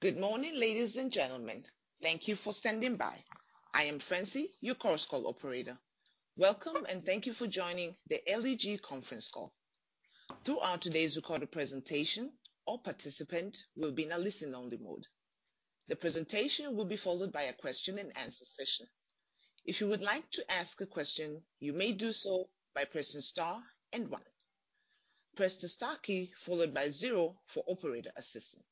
Good morning, ladies and gentlemen. Thank you for standing by. I am Francine, your conference call operator. Welcome, and thank you for joining the LEG conference call. Throughout today's recorded presentation, all participants will be in a listen-only mode. The presentation will be followed by a question-and-answer session. If you would like to ask a question, you may do so by pressing star and 1. Press the star key followed by 0 for operator assistance.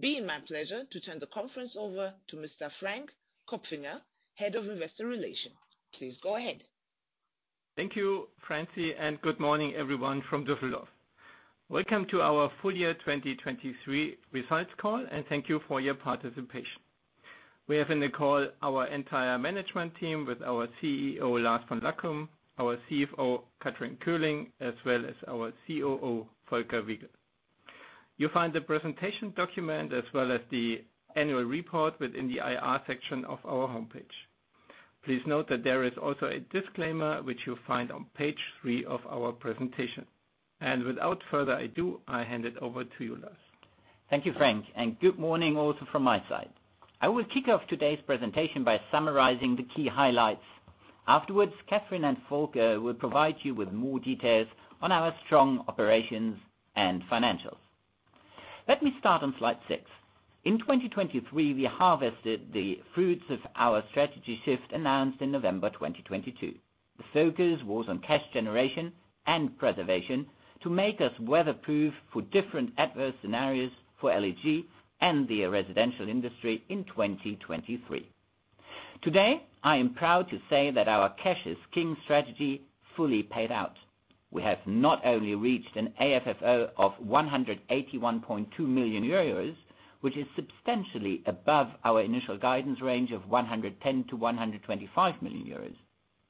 It is my pleasure to turn the conference over to Mr. Frank Kopfinger, Head of Investor Relations. Please go ahead. Thank you, Frank, and good morning, everyone from Düsseldorf. Welcome to our full year 2023 results call, and thank you for your participation. We have in the call our entire management team with our CEO Lars von Lackum, our CFO Kathrin Köhling, as well as our COO Volker Wiegel. You find the presentation document as well as the annual report within the IR section of our homepage. Please note that there is also a disclaimer which you'll find on page three of our presentation. Without further ado, I hand it over to you, Lars. Thank you, Frank, and good morning also from my side. I will kick off today's presentation by summarizing the key highlights. Afterwards, Kathrin and Volker will provide you with more details on our strong operations and financials. Let me start on slide 6. In 2023, we harvested the fruits of our strategy shift announced in November 2022. The focus was on cash generation and preservation to make us weatherproof for different adverse scenarios for LEG and the residential industry in 2023. Today, I am proud to say that our cash is king strategy fully paid out. We have not only reached an AFFO of 181.2 million euros, which is substantially above our initial guidance range of 110 million-125 million euros.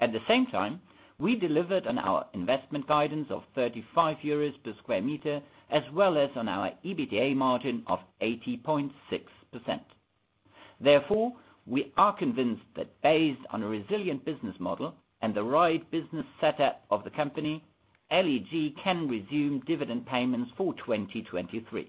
At the same time, we delivered on our investment guidance of 35 euros per square meter, as well as on our EBITDA margin of 80.6%. Therefore, we are convinced that based on a resilient business model and the right business setup of the company, LEG can resume dividend payments for 2023.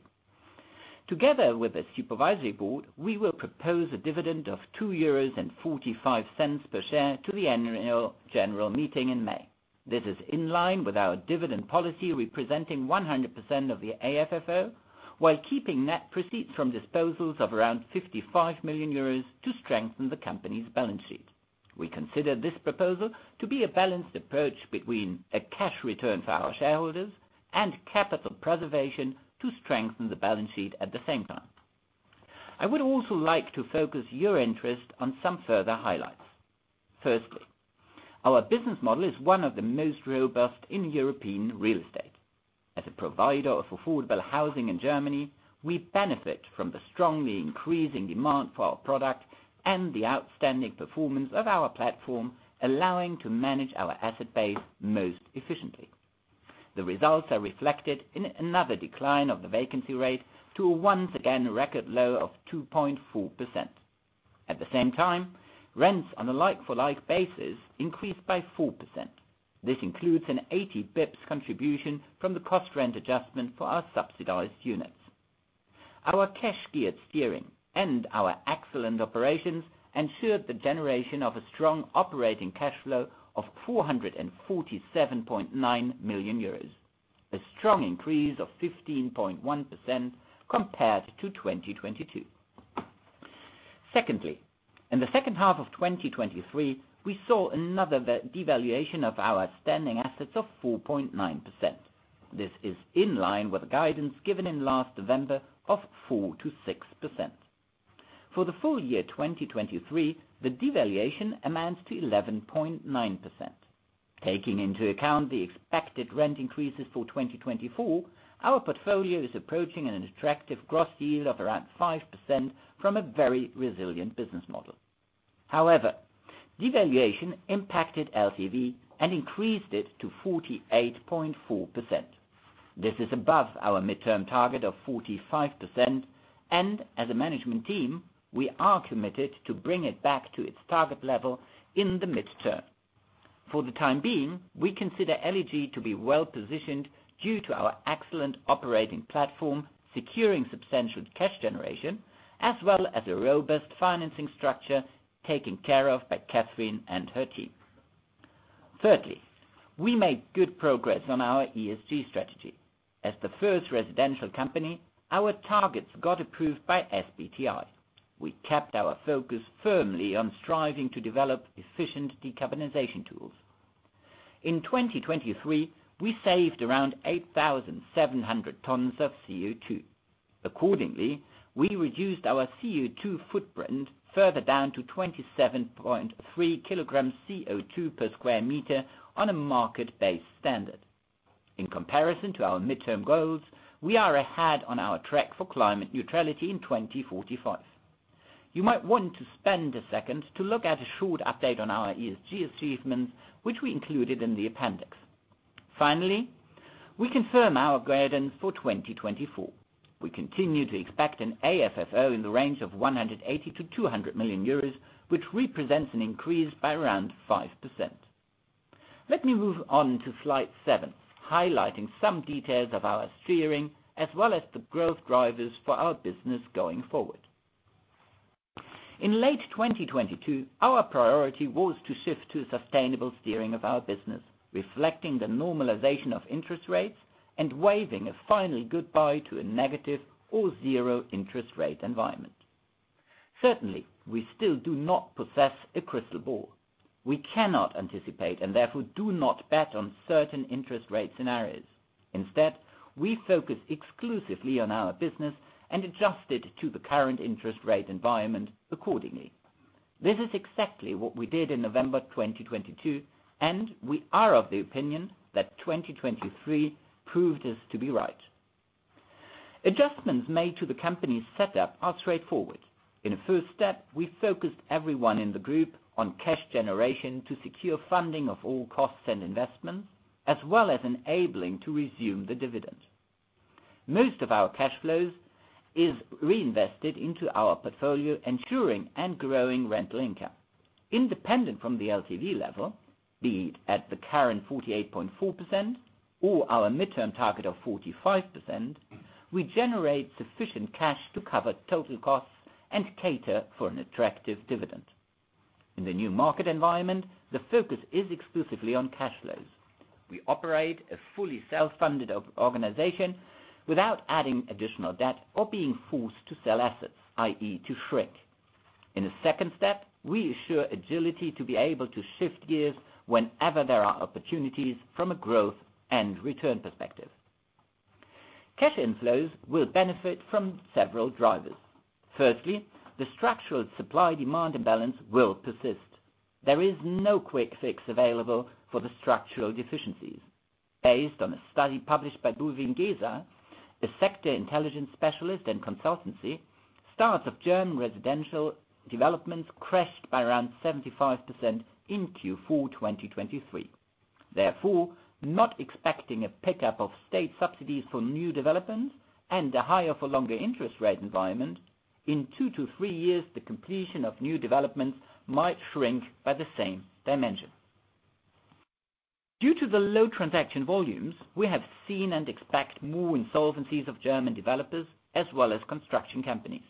Together with the supervisory board, we will propose a dividend of 2.45 euros per share to the annual general meeting in May. This is in line with our dividend policy representing 100% of the AFFO while keeping net proceeds from disposals of around 55 million euros to strengthen the company's balance sheet. We consider this proposal to be a balanced approach between a cash return for our shareholders and capital preservation to strengthen the balance sheet at the same time. I would also like to focus your interest on some further highlights. Firstly, our business model is one of the most robust in European real estate. As a provider of affordable housing in Germany, we benefit from the strongly increasing demand for our product and the outstanding performance of our platform, allowing to manage our asset base most efficiently. The results are reflected in another decline of the vacancy rate to a once-again record low of 2.4%. At the same time, rents on a like-for-like basis increased by 4%. This includes an 80 bps contribution from the cost rent adjustment for our subsidized units. Our cash-geared steering and our excellent operations ensured the generation of a strong operating cash flow of 447.9 million euros, a strong increase of 15.1% compared to 2022. Secondly, in the second half of 2023, we saw another devaluation of our standing assets of 4.9%. This is in line with guidance given in last November of 4%-6%. For the full year 2023, the devaluation amounts to 11.9%. Taking into account the expected rent increases for 2024, our portfolio is approaching an attractive gross yield of around 5% from a very resilient business model. However, devaluation impacted LTV and increased it to 48.4%. This is above our midterm target of 45%, and as a management team, we are committed to bring it back to its target level in the midterm. For the time being, we consider LEG to be well positioned due to our excellent operating platform securing substantial cash generation, as well as a robust financing structure taken care of by Kathrin and her team. Thirdly, we made good progress on our ESG strategy. As the first residential company, our targets got approved by SBTi. We kept our focus firmly on striving to develop efficient decarbonization tools. In 2023, we saved around 8,700 tons of CO2. Accordingly, we reduced our CO2 footprint further down to 27.3 kilograms CO2 per square meter on a market-based standard. In comparison to our midterm goals, we are ahead on our track for climate neutrality in 2045. You might want to spend a second to look at a short update on our ESG achievements, which we included in the appendix. Finally, we confirm our guidance for 2024. We continue to expect an AFFO in the range of 180 million-200 million euros, which represents an increase by around 5%. Let me move on to slide 7, highlighting some details of our steering as well as the growth drivers for our business going forward. In late 2022, our priority was to shift to a sustainable steering of our business, reflecting the normalization of interest rates and waving a finally goodbye to a negative or zero interest rate environment. Certainly, we still do not possess a crystal ball. We cannot anticipate and therefore do not bet on certain interest rate scenarios. Instead, we focus exclusively on our business and adjust it to the current interest rate environment accordingly. This is exactly what we did in November 2022, and we are of the opinion that 2023 proved us to be right. Adjustments made to the company's setup are straightforward. In a first step, we focused everyone in the group on cash generation to secure funding of all costs and investments, as well as enabling to resume the dividend. Most of our cash flows is reinvested into our portfolio, ensuring and growing rental income. Independent from the LTV level, be it at the current 48.4% or our midterm target of 45%, we generate sufficient cash to cover total costs and cater for an attractive dividend. In the new market environment, the focus is exclusively on cash flows. We operate a fully self-funded organization without adding additional debt or being forced to sell assets, i.e., to shrink. In a second step, we assure agility to be able to shift gears whenever there are opportunities from a growth and return perspective. Cash inflows will benefit from several drivers. Firstly, the structural supply-demand imbalance will persist. There is no quick fix available for the structural deficiencies. Based on a study published by Bulwiengesa, a sector intelligence specialist and consultancy, starts of German residential developments crashed by around 75% in Q4 2023. Therefore, not expecting a pickup of state subsidies for new developments and a higher-for-longer interest rate environment, in 2 to 3 years, the completion of new developments might shrink by the same dimension. Due to the low transaction volumes, we have seen and expect more insolvencies of German developers as well as construction companies.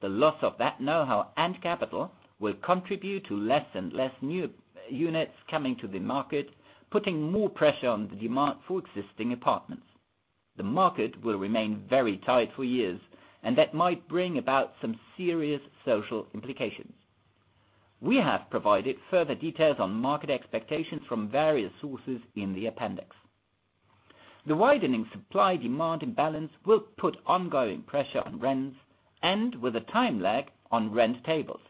The loss of that know-how and capital will contribute to less and less new units coming to the market, putting more pressure on the demand for existing apartments. The market will remain very tight for years, and that might bring about some serious social implications. We have provided further details on market expectations from various sources in the appendix. The widening supply-demand imbalance will put ongoing pressure on rents and, with a time lag, on rent tables.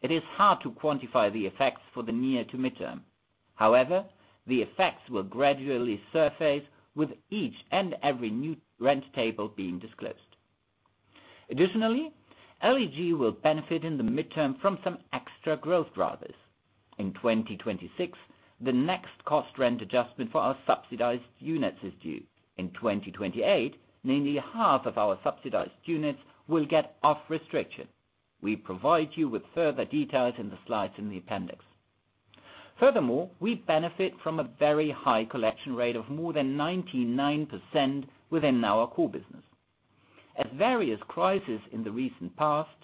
It is hard to quantify the effects for the near to midterm. However, the effects will gradually surface with each and every new rent table being disclosed. Additionally, LEG will benefit in the midterm from some extra growth drivers. In 2026, the next cost rent adjustment for our subsidized units is due. In 2028, nearly half of our subsidized units will get off restriction. We provide you with further details in the slides in the appendix. Furthermore, we benefit from a very high collection rate of more than 99% within our core business. As various crises in the recent past,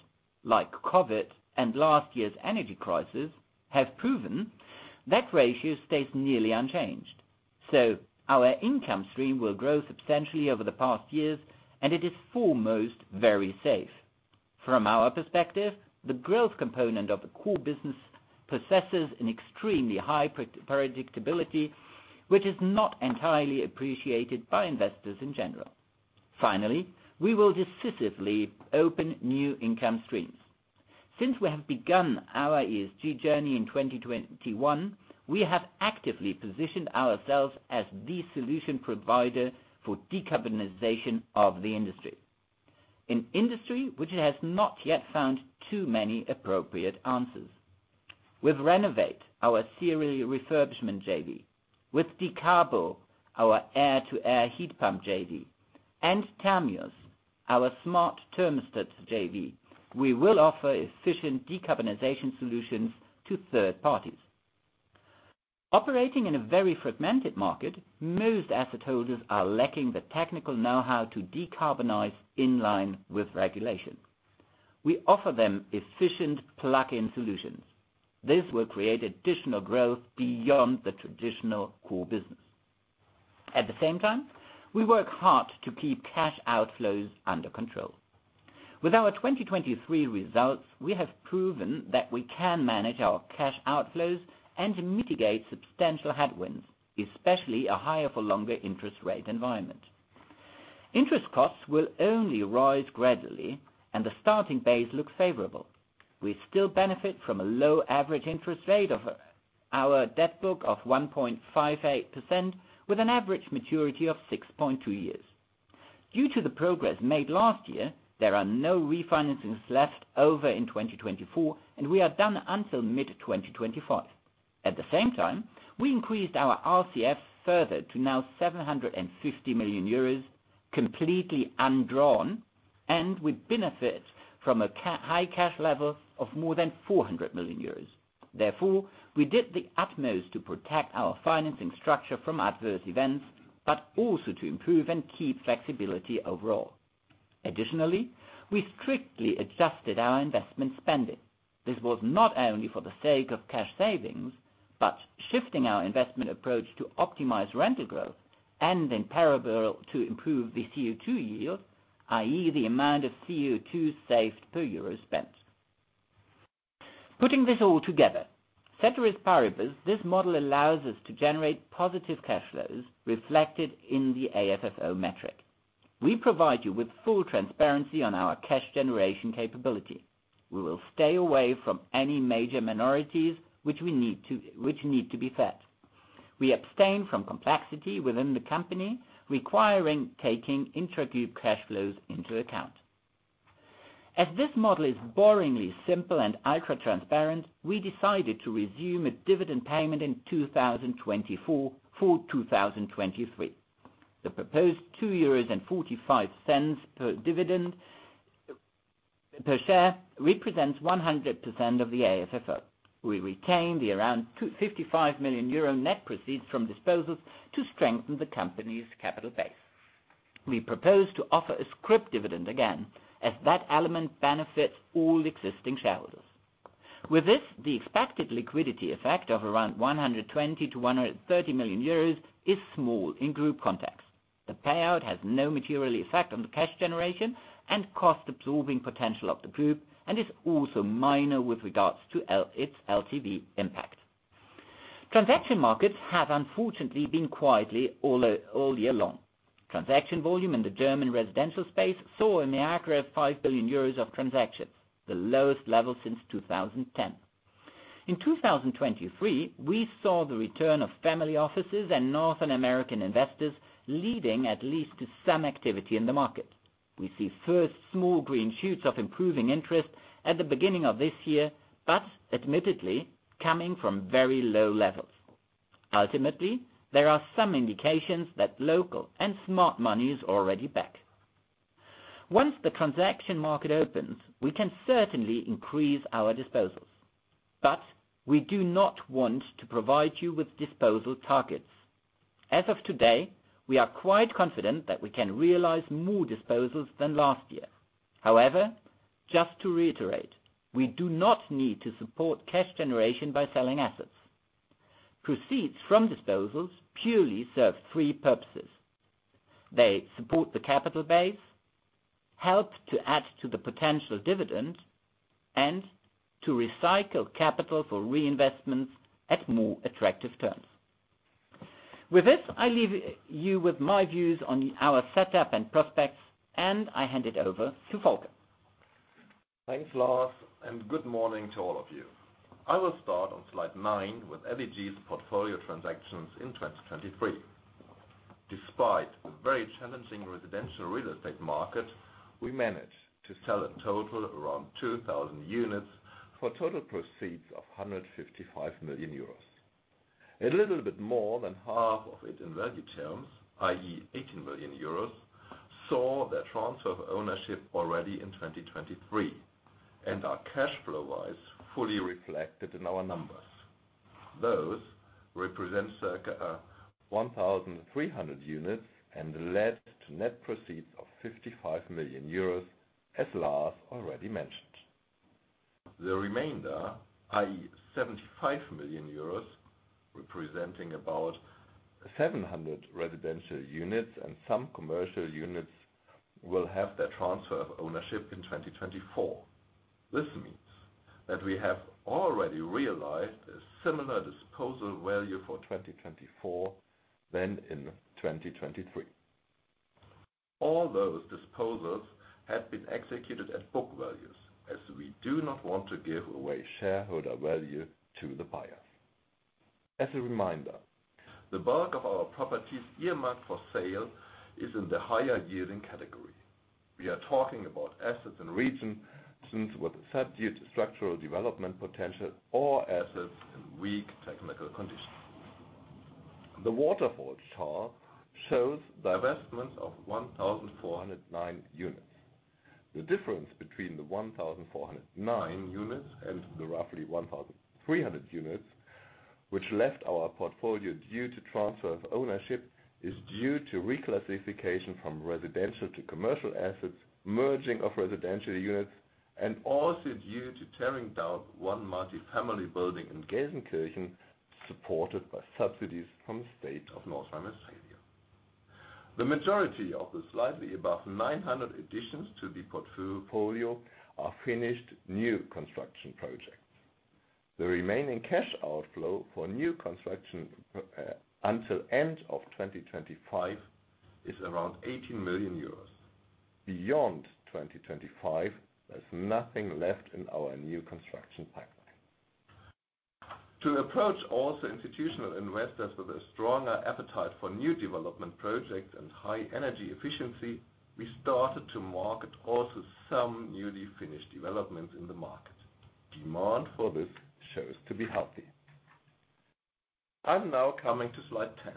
like COVID and last year's energy crisis, have proven, that ratio stays nearly unchanged. So our income stream will grow substantially over the past years, and it is foremost very safe. From our perspective, the growth component of the core business possesses an extremely high predictability, which is not entirely appreciated by investors in general. Finally, we will decisively open new income streams. Since we have begun our ESG journey in 2021, we have actively positioned ourselves as the solution provider for decarbonization of the industry, an industry which has not yet found too many appropriate answers. With Renowate, our serial refurbishment JV, with Dekarbo, our air-to-air heat pump JV, and Termios, our smart thermostat JV, we will offer efficient decarbonization solutions to third parties. Operating in a very fragmented market, most asset holders are lacking the technical know-how to decarbonize in line with regulation. We offer them efficient plug-in solutions. This will create additional growth beyond the traditional core business. At the same time, we work hard to keep cash outflows under control. With our 2023 results, we have proven that we can manage our cash outflows and mitigate substantial headwinds, especially a higher-for-longer interest rate environment. Interest costs will only rise gradually, and the starting base looks favorable. We still benefit from a low average interest rate of our debt book of 1.58% with an average maturity of 6.2 years. Due to the progress made last year, there are no refinancings left over in 2024, and we are done until mid-2025. At the same time, we increased our RCF further to now 750 million euros, completely undrawn, and we benefit from a high cash level of more than 400 million euros. Therefore, we did the utmost to protect our financing structure from adverse events, but also to improve and keep flexibility overall. Additionally, we strictly adjusted our investment spending. This was not only for the sake of cash savings, but shifting our investment approach to optimize rental growth and, in parallel, to improve the CO2 yield, i.e., the amount of CO2 saved per euro spent. Putting this all together, ceteris paribus, this model allows us to generate positive cash flows reflected in the AFFO metric. We provide you with full transparency on our cash generation capability. We will stay away from any major minorities which need to be fed. We abstain from complexity within the company, requiring taking intragroup cash flows into account. As this model is boringly simple and ultra-transparent, we decided to resume a dividend payment in 2024 for 2023. The proposed 2.45 euros dividend per share represents 100% of the AFFO. We retain the around 55 million euro net proceeds from disposals to strengthen the company's capital base. We propose to offer a scrip dividend again, as that element benefits all existing shareholders. With this, the expected liquidity effect of around 120 million-130 million euros is small in group context. The payout has no material effect on the cash generation and cost-absorbing potential of the group and is also minor with regard to its LTV impact. Transaction markets have, unfortunately, been quiet all year long. Transaction volume in the German residential space saw a mere 5 billion euros of transactions, the lowest level since 2010. In 2023, we saw the return of family offices and North American investors leading at least to some activity in the market. We see first small green shoots of improving interest at the beginning of this year, but admittedly, coming from very low levels. Ultimately, there are some indications that local and smart money is already back. Once the transaction market opens, we can certainly increase our disposals. But we do not want to provide you with disposal targets. As of today, we are quite confident that we can realize more disposals than last year. However, just to reiterate, we do not need to support cash generation by selling assets. Proceeds from disposals purely serve three purposes. They support the capital base, help to add to the potential dividend, and to recycle capital for reinvestments at more attractive terms. With this, I leave you with my views on our setup and prospects, and I hand it over to Volker. Thanks, Lars, and good morning to all of you. I will start on slide 9 with LEG's portfolio transactions in 2023. Despite the very challenging residential real estate market, we managed to sell in total around 2,000 units for total proceeds of 155 million euros. A little bit more than half of it in value terms, i.e., 18 million euros, saw their transfer of ownership already in 2023 and are cash flow-wise fully reflected in our numbers. Those represent circa 1,300 units and led to net proceeds of 55 million euros, as Lars already mentioned. The remainder, i.e., 75 million euros, representing about 700 residential units and some commercial units, will have their transfer of ownership in 2024. This means that we have already realized a similar disposal value for 2024 than in 2023. All those disposals had been executed at book values, as we do not want to give away shareholder value to the buyer. As a reminder, the bulk of our properties earmarked for sale is in the higher yielding category. We are talking about assets in regions with subdued structural development potential or assets in weak technical conditions. The waterfall chart shows divestments of 1,409 units. The difference between the 1,409 units and the roughly 1,300 units, which left our portfolio due to transfer of ownership, is due to reclassification from residential to commercial assets, merging of residential units, and also due to tearing down one multifamily building in Gelsenkirchen supported by subsidies from the state of North Rhine-Westphalia. The majority of the slightly above 900 additions to the portfolio are finished new construction projects. The remaining cash outflow for new construction until end of 2025 is around 18 million euros. Beyond 2025, there's nothing left in our new construction pipeline. To approach also institutional investors with a stronger appetite for new development projects and high energy efficiency, we started to market also some newly finished developments in the market. Demand for this shows to be healthy. I'm now coming to slide 10.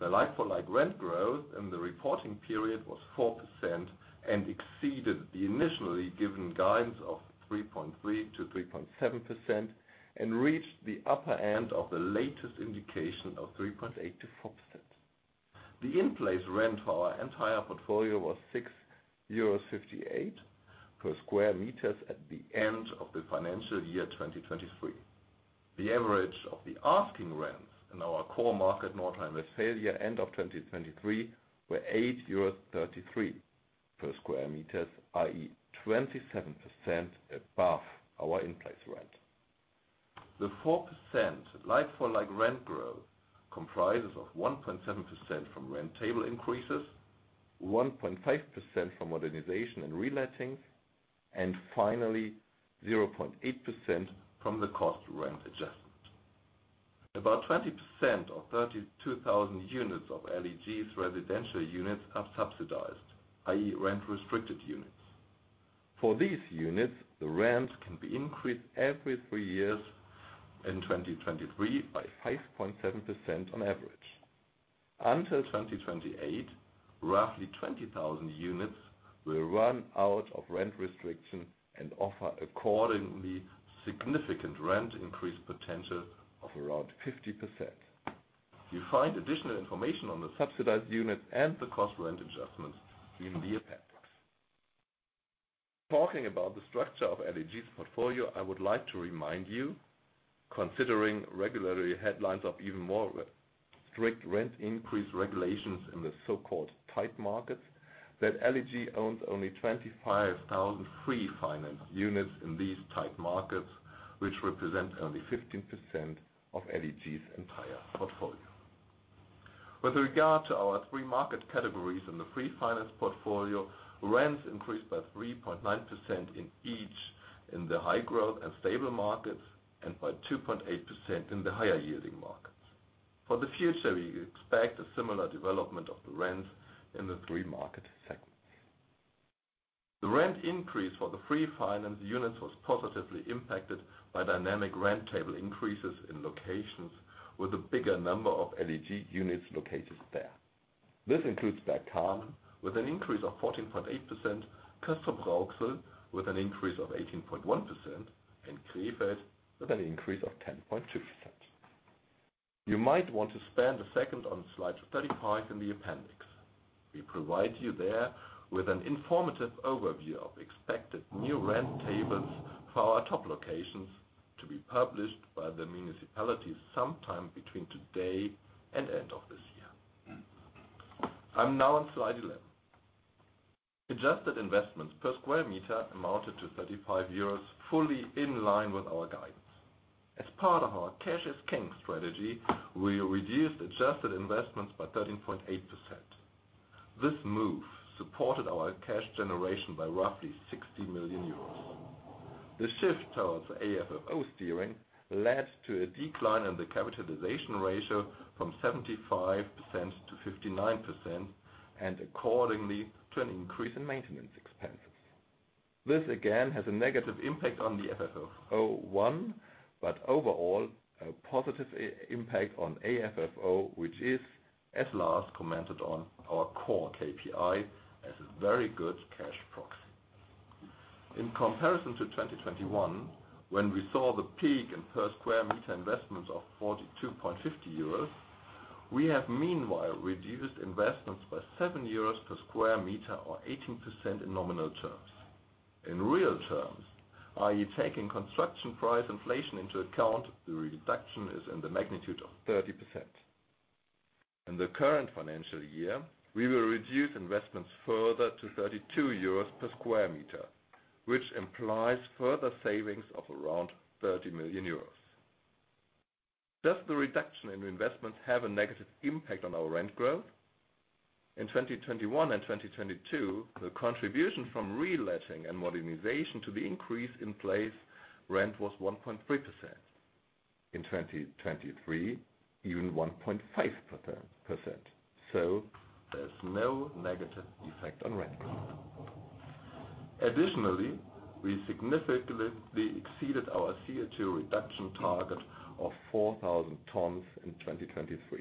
The like-for-like rent growth in the reporting period was 4% and exceeded the initially given guidance of 3.3%-3.7% and reached the upper end of the latest indication of 3.8%-4%. The in-place rent for our entire portfolio was 6.58 euros per sq m at the end of the financial year 2023. The average of the asking rents in our core market, North Rhine-Westphalia, end of 2023 were 8.33 euros per sq m, i.e., 27% above our in-place rent. The 4% like-for-like rent growth comprises of 1.7% from rent table increases, 1.5% from modernization and relettings, and finally, 0.8% from the cost rent adjustment. About 20% of 32,000 units of LEG's residential units are subsidized, i.e., rent-restricted units. For these units, the rent can be increased every three years in 2023 by 5.7% on average. Until 2028, roughly 20,000 units will run out of rent restriction and offer accordingly significant rent increase potential of around 50%. You find additional information on the subsidized units and the cost rent adjustments in the appendix. Talking about the structure of LEG's portfolio, I would like to remind you, considering regular headlines of even more strict rent increase regulations in the so-called tight markets, that LEG owns only 25,000 free-financed units in these tight markets, which represent only 15% of LEG's entire portfolio. With regard to our three market categories in the free-financed portfolio, rents increased by 3.9% in each in the high growth and stable markets and by 2.8% in the higher yielding markets. For the future, we expect a similar development of the rents in the three market segments. The rent increase for the free-financed units was positively impacted by dynamic rent table increases in locations with a bigger number of LEG units located there. This includes Bergkamen, with an increase of 14.8%, Castrop-Rauxel with an increase of 18.1%, and Krefeld with an increase of 10.2%. You might want to spend a second on slide 35 in the appendix. We provide you there with an informative overview of expected new rent tables for our top locations to be published by the municipalities sometime between today and end of this year. I'm now on slide 11. Adjusted investments per square meter amounted to 35 euros, fully in line with our guidance. As part of our cash as king strategy, we reduced adjusted investments by 13.8%. This move supported our cash generation by roughly 60 million euros. The shift towards the AFFO steering led to a decline in the capitalization ratio from 75% to 59% and, accordingly, to an increase in maintenance expenses. This, again, has a negative impact on the FFO I, but overall, a positive impact on AFFO, which is, as Lars commented on our core KPI, as a very good cash proxy. In comparison to 2021, when we saw the peak in per square meter investments of 42.50 euros, we have meanwhile reduced investments by 7 euros per square meter or 18% in nominal terms. In real terms, i.e., taking construction price inflation into account, the reduction is in the magnitude of 30%. In the current financial year, we will reduce investments further to 32 euros per square meter, which implies further savings of around 30 million euros. Does the reduction in investments have a negative impact on our rent growth? In 2021 and 2022, the contribution from reletting and modernization to the increase in like-for-like rent was 1.3%. In 2023, even 1.5%. So there's no negative effect on rent growth. Additionally, we significantly exceeded our CO2 reduction target of 4,000 tons in 2023.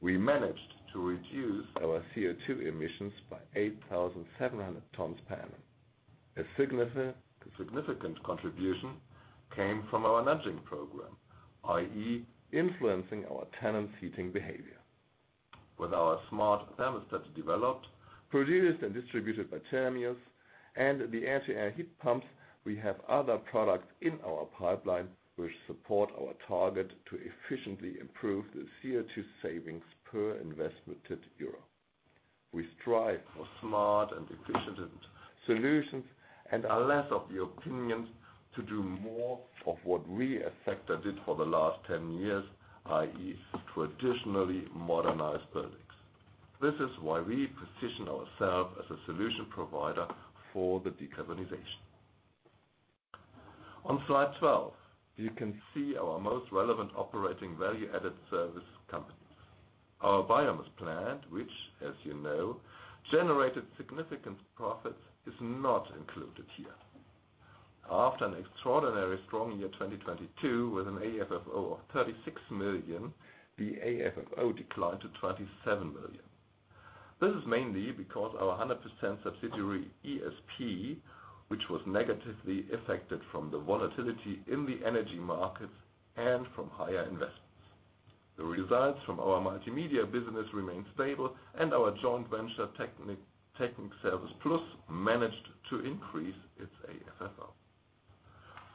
We managed to reduce our CO2 emissions by 8,700 tons per annum. A significant contribution came from our nudging program, i.e., influencing our tenant heating behavior. With our smart thermostat developed, produced and distributed by Termios, and the air-to-air heat pumps, we have other products in our pipeline which support our target to efficiently improve the CO2 savings per invested euro. We strive for smart and efficient solutions and are less of the opinion to do more of what we as a sector did for the last 10 years, i.e., traditionally modernized buildings. This is why we position ourselves as a solution provider for the decarbonization. On slide 12, you can see our most relevant operating value-added service companies. Our biomass plant, which, as you know, generated significant profits, is not included here. After an extraordinarily strong year 2022 with an AFFO of 36 million, the AFFO declined to 27 million. This is mainly because our 100% subsidiary ESP, which was negatively affected from the volatility in the energy markets and from higher investments. The results from our multimedia business remained stable, and our joint venture, TechnikServicePlus, managed to increase its AFFO.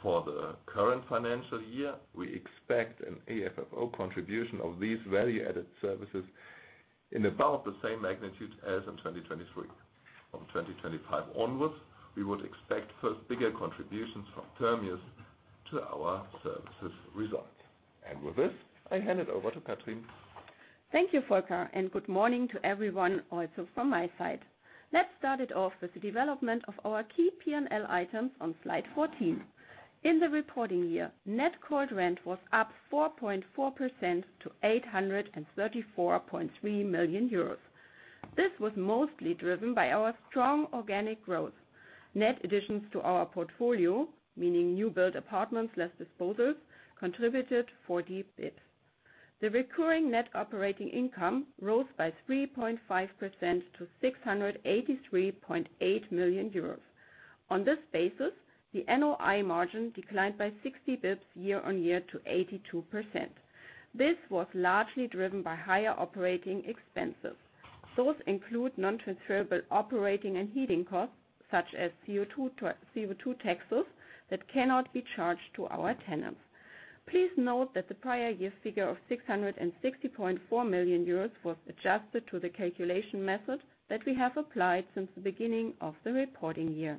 For the current financial year, we expect an AFFO contribution of these value-added services in about the same magnitude as in 2023. From 2025 onwards, we would expect first bigger contributions from Termios to our services results. And with this, I hand it over to Kathrin. Thank you, Volker, and good morning to everyone also from my side. Let's start it off with the development of our key P&L items on slide 14. In the reporting year, net cold rent was up 4.4% to 834.3 million euros. This was mostly driven by our strong organic growth. Net additions to our portfolio, meaning new-built apartments less disposals, contributed 40 basis points. The recurring net operating income rose by 3.5% to 683.8 million euros. On this basis, the NOI margin declined by 60 basis points year-on-year to 82%. This was largely driven by higher operating expenses. Those include non-transferable operating and heating costs, such as CO2 taxes, that cannot be charged to our tenants. Please note that the prior year figure of 660.4 million euros was adjusted to the calculation method that we have applied since the beginning of the reporting year.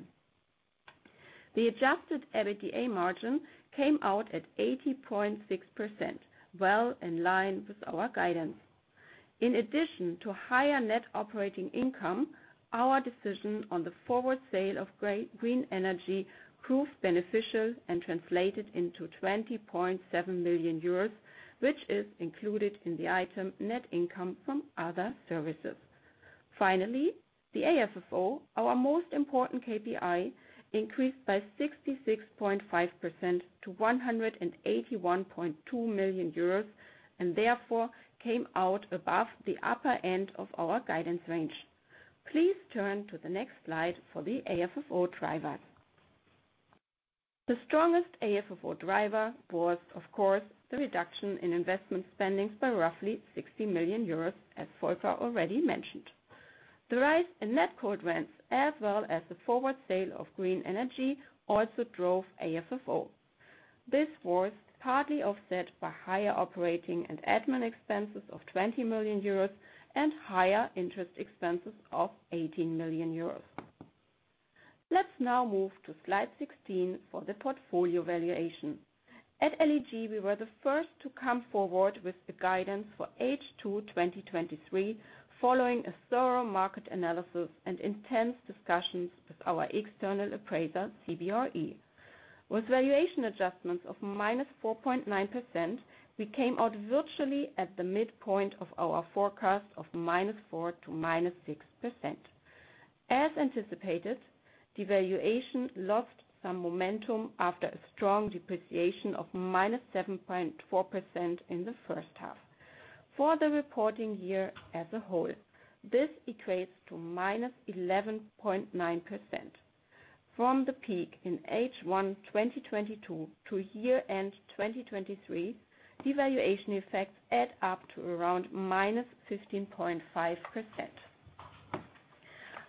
The adjusted EBITDA margin came out at 80.6%, well in line with our guidance. In addition to higher net operating income, our decision on the forward sale of green energy proved beneficial and translated into 20.7 million euros, which is included in the item net income from other services. Finally, the AFFO, our most important KPI, increased by 66.5% to 181.2 million euros and therefore came out above the upper end of our guidance range. Please turn to the next slide for the AFFO drivers. The strongest AFFO driver was, of course, the reduction in investment spendings by roughly 60 million euros, as Volker already mentioned. The rise in net cold rents, as well as the forward sale of green energy, also drove AFFO. This was partly offset by higher operating and admin expenses of 20 million euros and higher interest expenses of 18 million euros. Let's now move to slide 16 for the portfolio valuation. At LEG, we were the first to come forward with a guidance for H2 2023 following a thorough market analysis and intense discussions with our external appraiser, CBRE. With valuation adjustments of -4.9%, we came out virtually at the midpoint of our forecast of -4%-6%. As anticipated, the valuation lost some momentum after a strong depreciation of -7.4% in the first half. For the reporting year as a whole, this equates to -11.9%. From the peak in H1 2022 to year-end 2023, devaluation effects add up to around -15.5%.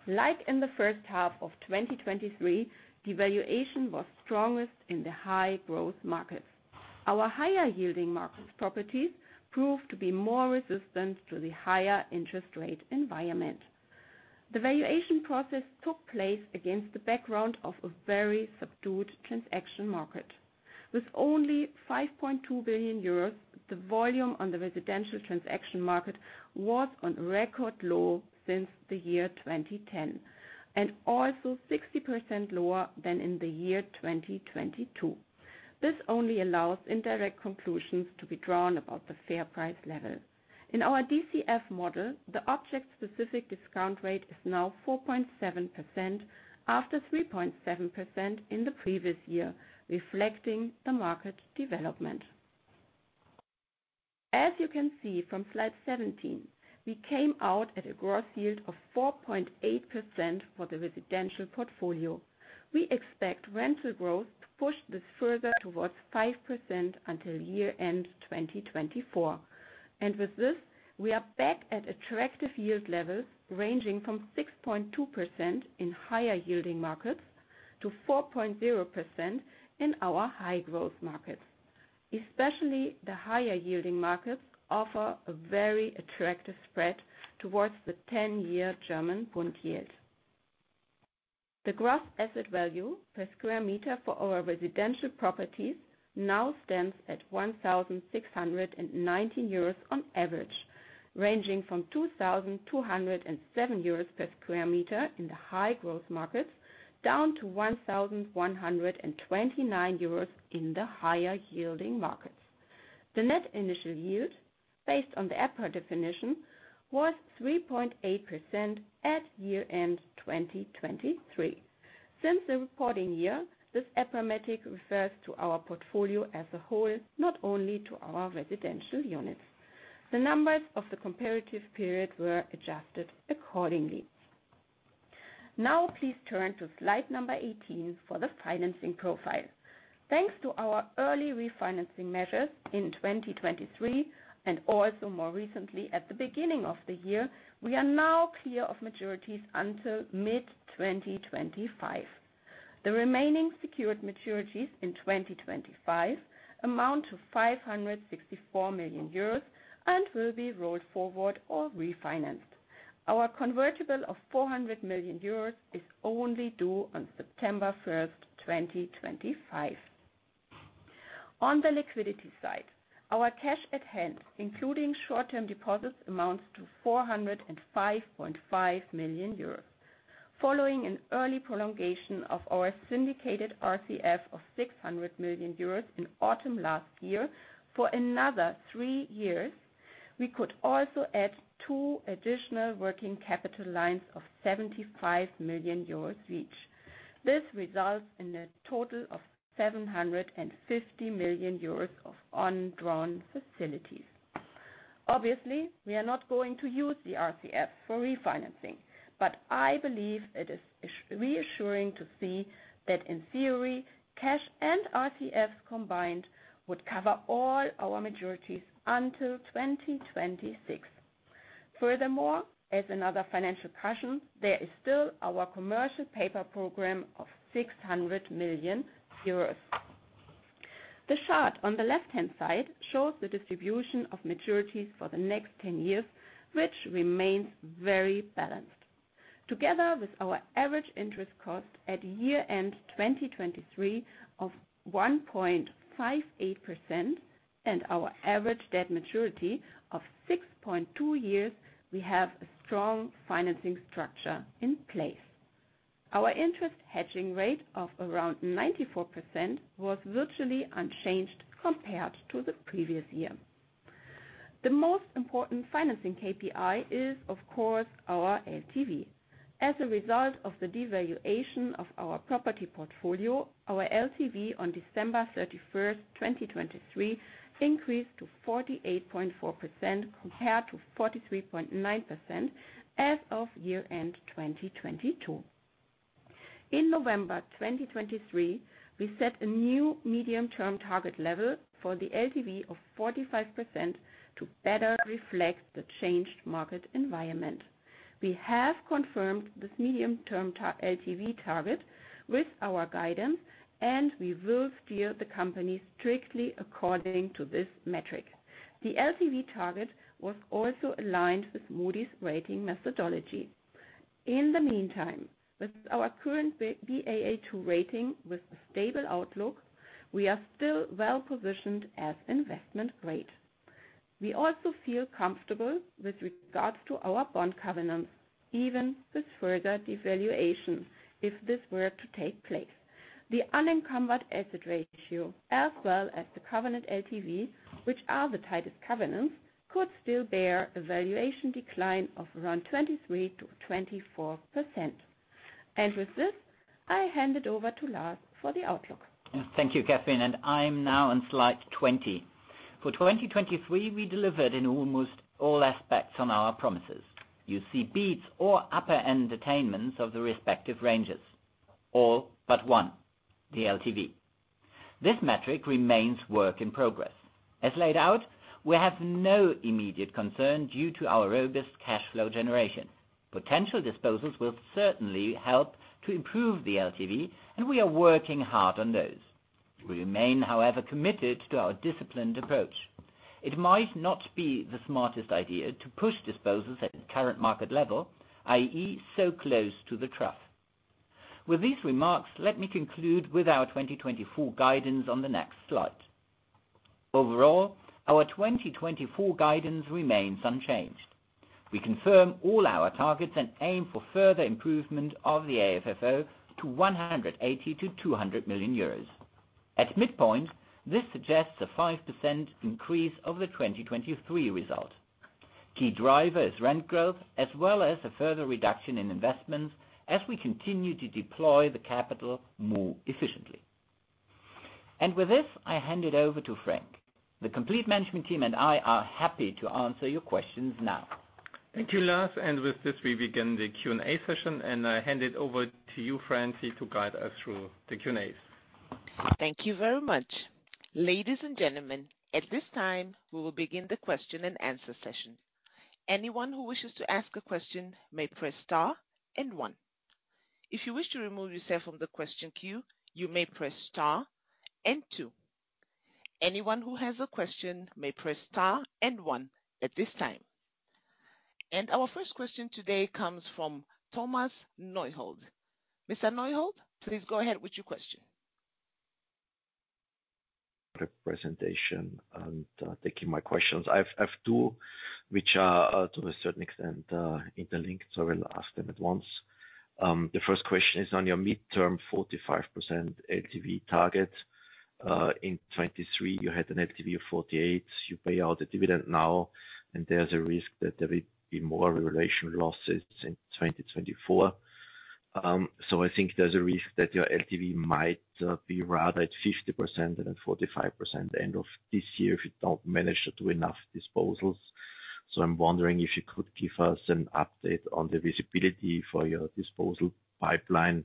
Like in the first half of 2023, devaluation was strongest in the high growth markets. Our higher yielding markets properties proved to be more resistant to the higher interest rate environment. The valuation process took place against the background of a very subdued transaction market. With only 5.2 billion euros, the volume on the residential transaction market was on record low since the year 2010 and also 60% lower than in the year 2022. This only allows indirect conclusions to be drawn about the fair price level. In our DCF model, the object-specific discount rate is now 4.7% after 3.7% in the previous year, reflecting the market development. As you can see from slide 17, we came out at a gross yield of 4.8% for the residential portfolio. We expect rental growth to push this further towards 5% until year-end 2024. And with this, we are back at attractive yield levels ranging from 6.2% in higher yielding markets to 4.0% in our high growth markets. Especially the higher yielding markets offer a very attractive spread towards the 10-year German Bund Yield. The gross asset value per square meter for our residential properties now stands at 1,619 euros on average, ranging from 2,207 euros per square meter in the high growth markets down to 1,129 euros in the higher yielding markets. The net initial yield, based on the EPRA definition, was 3.8% at year-end 2023. Since the reporting year, this EPRA metric refers to our portfolio as a whole, not only to our residential units. The numbers of the comparative period were adjusted accordingly. Now, please turn to slide number 18 for the financing profile. Thanks to our early refinancing measures in 2023 and also more recently at the beginning of the year, we are now clear of maturities until mid-2025. The remaining secured maturities in 2025 amount to 564 million euros and will be rolled forward or refinanced. Our convertible of 400 million euros is only due on September 1st, 2025. On the liquidity side, our cash at hand, including short-term deposits, amounts to 405.5 million euros. Following an early prolongation of our syndicated RCF of 600 million euros in autumn last year for another three years, we could also add two additional working capital lines of 75 million euros each. This results in a total of 750 million euros of undrawn facilities. Obviously, we are not going to use the RCF for refinancing, but I believe it is reassuring to see that, in theory, cash and RCFs combined would cover all our maturities until 2026. Furthermore, as another financial cushion, there is still our commercial paper program of 600 million euros. The chart on the left-hand side shows the distribution of maturities for the next 10 years, which remains very balanced. Together with our average interest cost at year-end 2023 of 1.58% and our average debt maturity of 6.2 years, we have a strong financing structure in place. Our interest hedging rate of around 94% was virtually unchanged compared to the previous year. The most important financing KPI is, of course, our LTV. As a result of the devaluation of our property portfolio, our LTV on December 31st, 2023, increased to 48.4% compared to 43.9% as of year-end 2022. In November 2023, we set a new medium-term target level for the LTV of 45% to better reflect the changed market environment. We have confirmed this medium-term LTV target with our guidance, and we will steer the company strictly according to this metric. The LTV target was also aligned with Moody's rating methodology. In the meantime, with our current Baa2 rating with a stable outlook, we are still well-positioned as investment grade. We also feel comfortable with regards to our bond covenants, even with further devaluation if this were to take place. The unencumbered asset ratio, as well as the covenant LTV, which are the tightest covenants, could still bear a valuation decline of around 23%-24%. With this, I hand it over to Lars for the outlook. Thank you, Kathrin. I'm now on slide 20. For 2023, we delivered in almost all aspects on our promises. You see beats or upper-end attainments of the respective ranges. All but one: the LTV. This metric remains work in progress. As laid out, we have no immediate concern due to our robust cash flow generation. Potential disposals will certainly help to improve the LTV, and we are working hard on those. We remain, however, committed to our disciplined approach. It might not be the smartest idea to push disposals at current market level, i.e., so close to the trough. With these remarks, let me conclude with our 2024 guidance on the next slide. Overall, our 2024 guidance remains unchanged. We confirm all our targets and aim for further improvement of the AFFO to 180 million-200 million euros. At midpoint, this suggests a 5% increase of the 2023 result. Key drivers: rent growth, as well as a further reduction in investments as we continue to deploy the capital more efficiently. And with this, I hand it over to Frank. The complete management team and I are happy to answer your questions now. Thank you, Lars. And with this, we begin the Q&A session, and I hand it over to you, Francine, to guide us through the Q&As. Thank you very much. Ladies and gentlemen, at this time, we will begin the question-and-answer session. Anyone who wishes to ask a question may press star and one. If you wish to remove yourself from the question queue, you may press star and two. Anyone who has a question may press star and one at this time. And our first question today comes from Thomas Neuhaus. Mr. Neuhaus, please go ahead with your question. Thanks for the presentation and taking my questions. I have two, which are to a certain extent interlinked, so I will ask them at once. The first question is on your mid-term 45% LTV target. In 2023, you had an LTV of 48. You pay out a dividend now, and there's a risk that there will be more revaluation losses in 2024. So I think there's a risk that your LTV might be rather at 50% than at 45% at the end of this year if you don't manage to do enough disposals. So I'm wondering if you could give us an update on the visibility for your disposal pipeline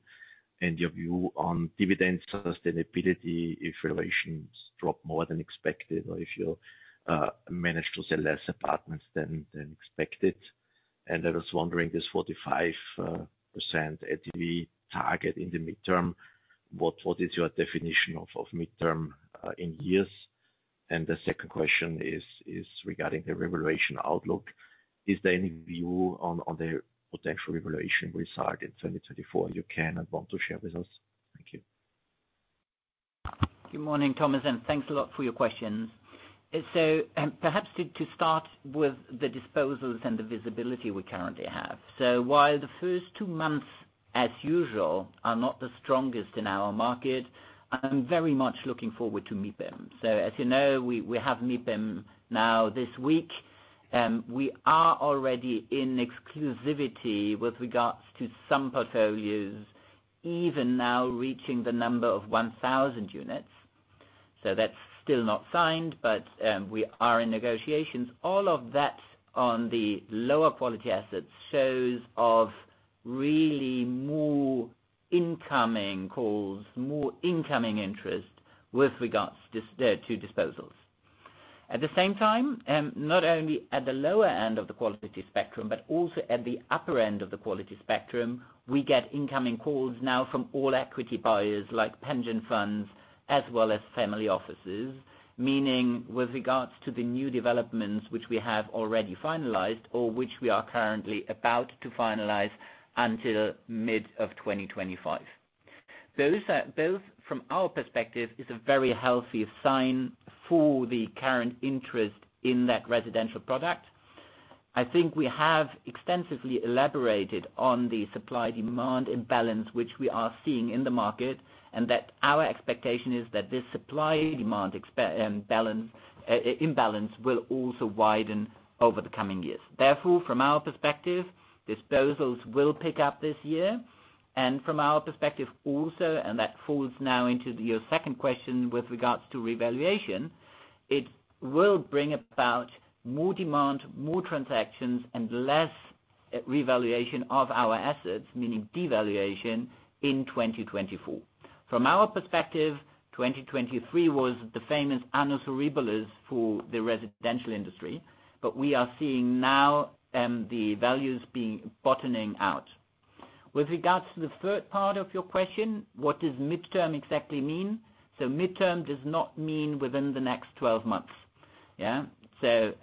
and your view on dividend sustainability if revaluations drop more than expected or if you manage to sell less apartments than expected. And I was wondering this 45% LTV target in the mid-term, what is your definition of mid-term in years? And the second question is regarding the revaluation outlook. Is there any view on the potential revaluation result in 2024 you can and want to share with us? Thank you. Good morning, Thomas, and thanks a lot for your questions. So perhaps to start with the disposals and the visibility we currently have. So while the first two months, as usual, are not the strongest in our market, I'm very much looking forward to MIPIM. As you know, we have MIPIM now this week. We are already in exclusivity with regards to some portfolios, even now reaching the number of 1,000 units. That's still not signed, but we are in negotiations. All of that on the lower quality assets shows of really more incoming calls, more incoming interest with regards to disposals. At the same time, not only at the lower end of the quality spectrum, but also at the upper end of the quality spectrum, we get incoming calls now from all equity buyers like pension funds as well as family offices, meaning with regards to the new developments which we have already finalized or which we are currently about to finalize until mid of 2025. Both, from our perspective, is a very healthy sign for the current interest in that residential product. I think we have extensively elaborated on the supply-demand imbalance which we are seeing in the market and that our expectation is that this supply-demand imbalance will also widen over the coming years. Therefore, from our perspective, disposals will pick up this year. And from our perspective also, and that falls now into your second question with regards to revaluation, it will bring about more demand, more transactions, and less revaluation of our assets, meaning devaluation, in 2024. From our perspective, 2023 was the famous annus horribilis for the residential industry, but we are seeing now the values being bottoming out. With regards to the third part of your question, what does mid-term exactly mean? So mid-term does not mean within the next 12 months. Yeah? So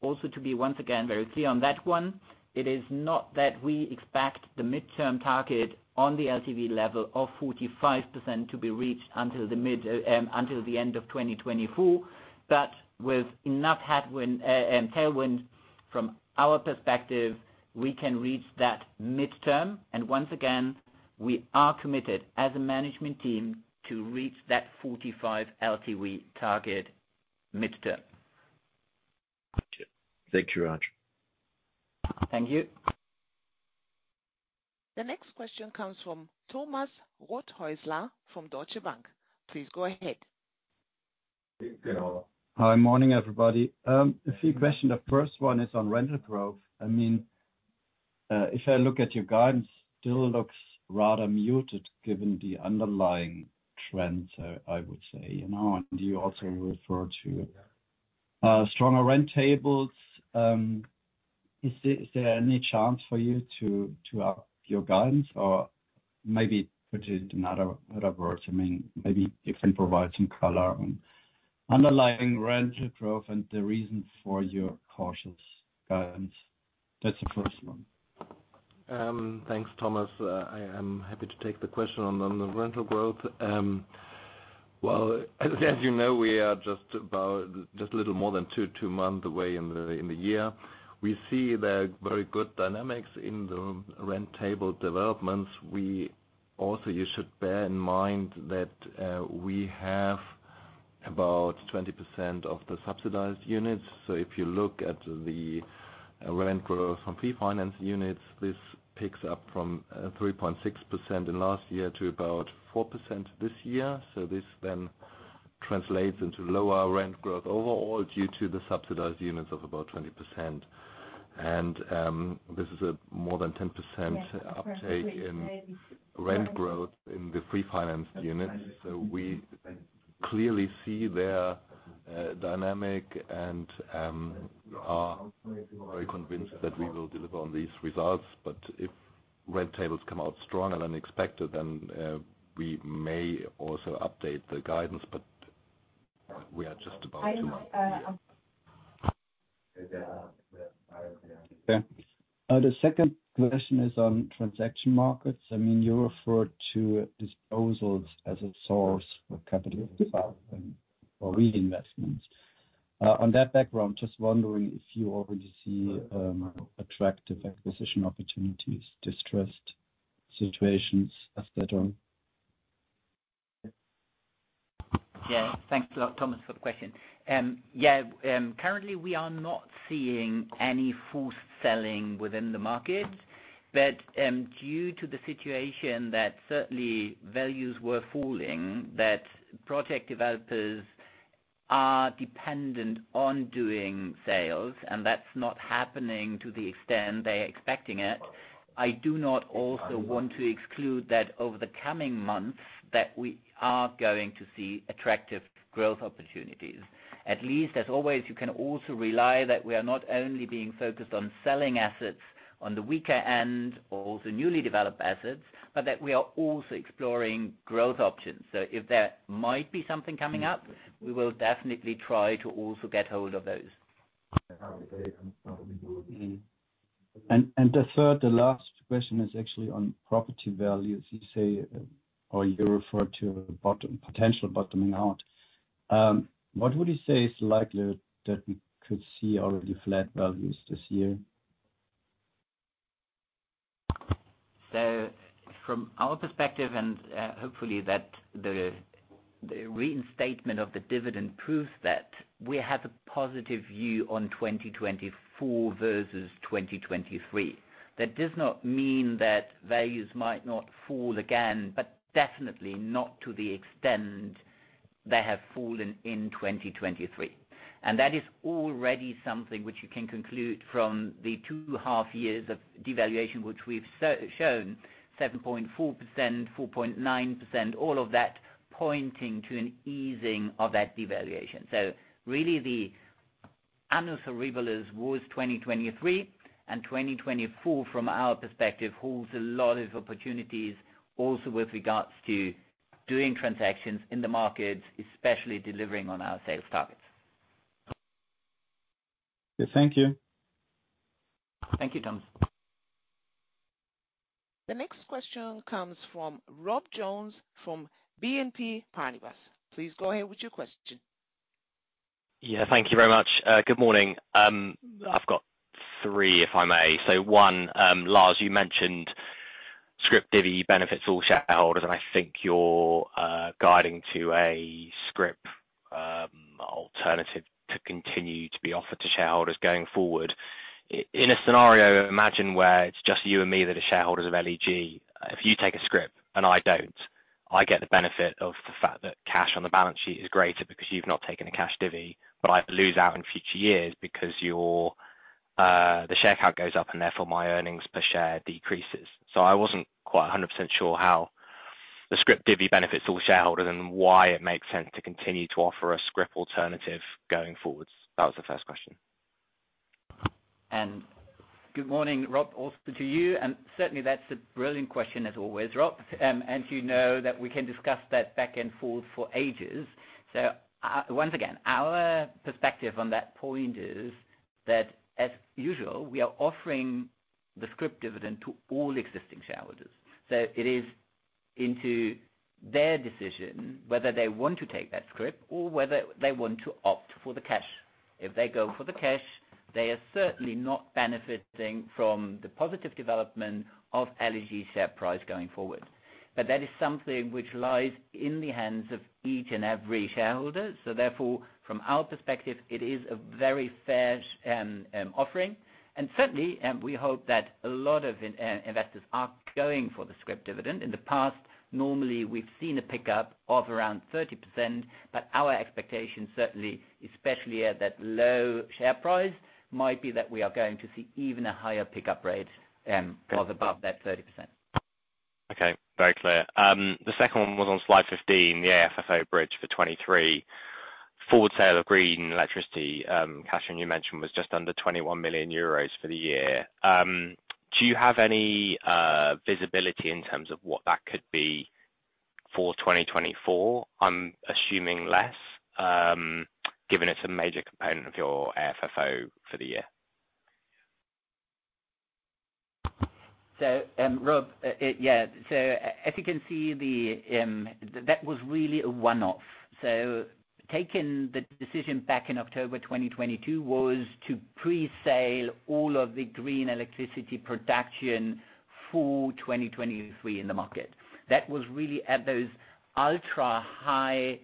also to be once again very clear on that one, it is not that we expect the mid-term target on the LTV level of 45% to be reached until the end of 2024, but with enough tailwind, from our perspective, we can reach that mid-term. And once again, we are committed as a management team to reach that 45 LTV target mid-term. Thank you. Thank you, Lars. Thank you. The next question comes from Thomas Rothäusler from Deutsche Bank. Please go ahead. Hi, morning, everybody. A few questions. The first one is on rental growth. I mean, if I look at your guidance, it still looks rather muted given the underlying trends, I would say. And you also refer to stronger rent tables. Is there any chance for you to up your guidance or maybe put it in other words? I mean, maybe you can provide some color on underlying rental growth and the reason for your cautious guidance. That's the first one. Thanks, Thomas. I am happy to take the question on the rental growth. Well, as you know, we are just a little more than 2 months away in the year. We see there are very good dynamics in the rent table developments. Also, you should bear in mind that we have about 20% of the subsidized units. So if you look at the rent growth from pre-financed units, this picks up from 3.6% in last year to about 4% this year. So this then translates into lower rent growth overall due to the subsidized units of about 20%. And this is a more than 10% uptake in rent growth in the pre-financed units. So we clearly see their dynamic and are very convinced that we will deliver on these results. But if rent tables come out stronger than expected, then we may also update the guidance, but we are just about two months away. Okay. The second question is on transaction markets. I mean, you refer to disposals as a source for capital or reinvestments. On that background, just wondering if you already see attractive acquisition opportunities, distressed situations, etc. Yeah. Thanks a lot, Thomas, for the question. Yeah. Currently, we are not seeing any forced selling within the markets. But due to the situation that certainly values were falling, that project developers are dependent on doing sales, and that's not happening to the extent they're expecting it, I do not also want to exclude that over the coming months, that we are going to see attractive growth opportunities. At least, as always, you can also rely that we are not only being focused on selling assets on the weaker end or the newly developed assets, but that we are also exploring growth options. So if there might be something coming up, we will definitely try to also get hold of those. And the third, the last question is actually on property values. You say or you refer to potential bottoming out. What would you say is likely that we could see already flat values this year? So from our perspective, and hopefully that the reinstatement of the dividend proves that, we have a positive view on 2024 versus 2023. That does not mean that values might not fall again, but definitely not to the extent they have fallen in 2023. And that is already something which you can conclude from the 2.5 years of devaluation which we've shown, 7.4%, 4.9%, all of that pointing to an easing of that devaluation. So really, the annus horribilis was 2023, and 2024, from our perspective, holds a lot of opportunities also with regards to doing transactions in the markets, especially delivering on our sales targets. Thank you. Thank you, Thomas. The next question comes from Rob Jones from BNP Paribas. Please go ahead with your question. Yeah. Thank you very much. Good morning. I've got three, if I may. So one, Lars, you mentioned scrip dividend benefits all shareholders, and I think you're guiding to a scrip alternative to continue to be offered to shareholders going forward. In a scenario, imagine where it's just you and me that are shareholders of LEG. If you take a scrip and I don't, I get the benefit of the fact that cash on the balance sheet is greater because you've not taken a cash divvy, but I lose out in future years because the share count goes up and therefore my earnings per share decreases. So I wasn't quite 100% sure how the scrip dividend benefits all shareholders and why it makes sense to continue to offer a scrip alternative going forwards. That was the first question. And good morning, Rob, also to you. And certainly, that's a brilliant question, as always, Rob. And you know that we can discuss that back and forth for ages. So once again, our perspective on that point is that, as usual, we are offering the scrip dividend to all existing shareholders. So it is into their decision whether they want to take that scrip or whether they want to opt for the cash. If they go for the cash, they are certainly not benefiting from the positive development of LEG share price going forward. But that is something which lies in the hands of each and every shareholder. So therefore, from our perspective, it is a very fair offering. And certainly, we hope that a lot of investors are going for the scrip dividend. In the past, normally, we've seen a pickup of around 30%, but our expectation, certainly, especially at that low share price, might be that we are going to see even a higher pickup rate of above that 30%. Okay. Very clear. The second one was on slide 15, the AFFO bridge for 2023. Forward sale of green electricity, Kathrin, you mentioned was just under 21 million euros for the year. Do you have any visibility in terms of what that could be for 2024? I'm assuming less given it's a major component of your AFFO for the year. So Rob, yeah. So as you can see, that was really a one-off. So taking the decision back in October 2022 was to pre-sale all of the green electricity production for 2023 in the market. That was really at those ultra-high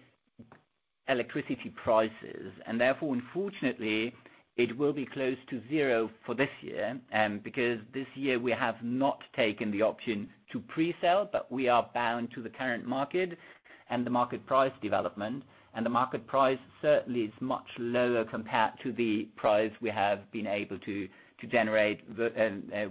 electricity prices. And therefore, unfortunately, it will be close to zero for this year because this year, we have not taken the option to pre-sell, but we are bound to the current market and the market price development. And the market price, certainly, is much lower compared to the price we have been able to generate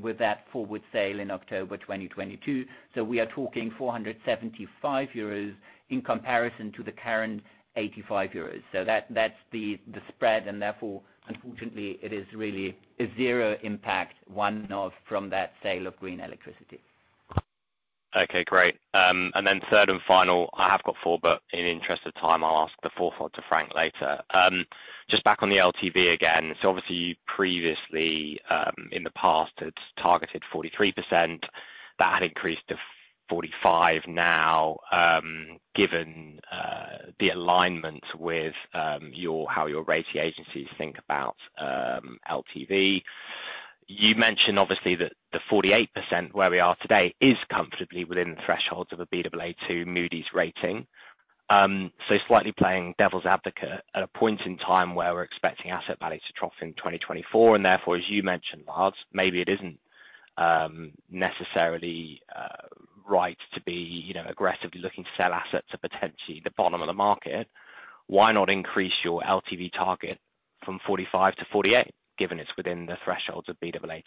with that forward sale in October 2022. So we are talking 475 euros in comparison to the current 85 euros. So that's the spread. And therefore, unfortunately, it is really a zero impact, one-off, from that sale of green electricity. Okay. Great. And then third and final, I have got four, but in the interest of time, I'll ask the fourth one to Frank later. Just back on the LTV again. So obviously, previously, in the past, it's targeted 43%. That had increased to 45% now given the alignment with how your rating agencies think about LTV. You mentioned, obviously, that the 48% where we are today is comfortably within the thresholds of a Baa2 Moody's rating. So slightly playing devil's advocate at a point in time where we're expecting asset value to trough in 2024. Therefore, as you mentioned, Lars, maybe it isn't necessarily right to be aggressively looking to sell assets to potentially the bottom of the market. Why not increase your LTV target from 45 to 48 given it's within the thresholds of Baa2?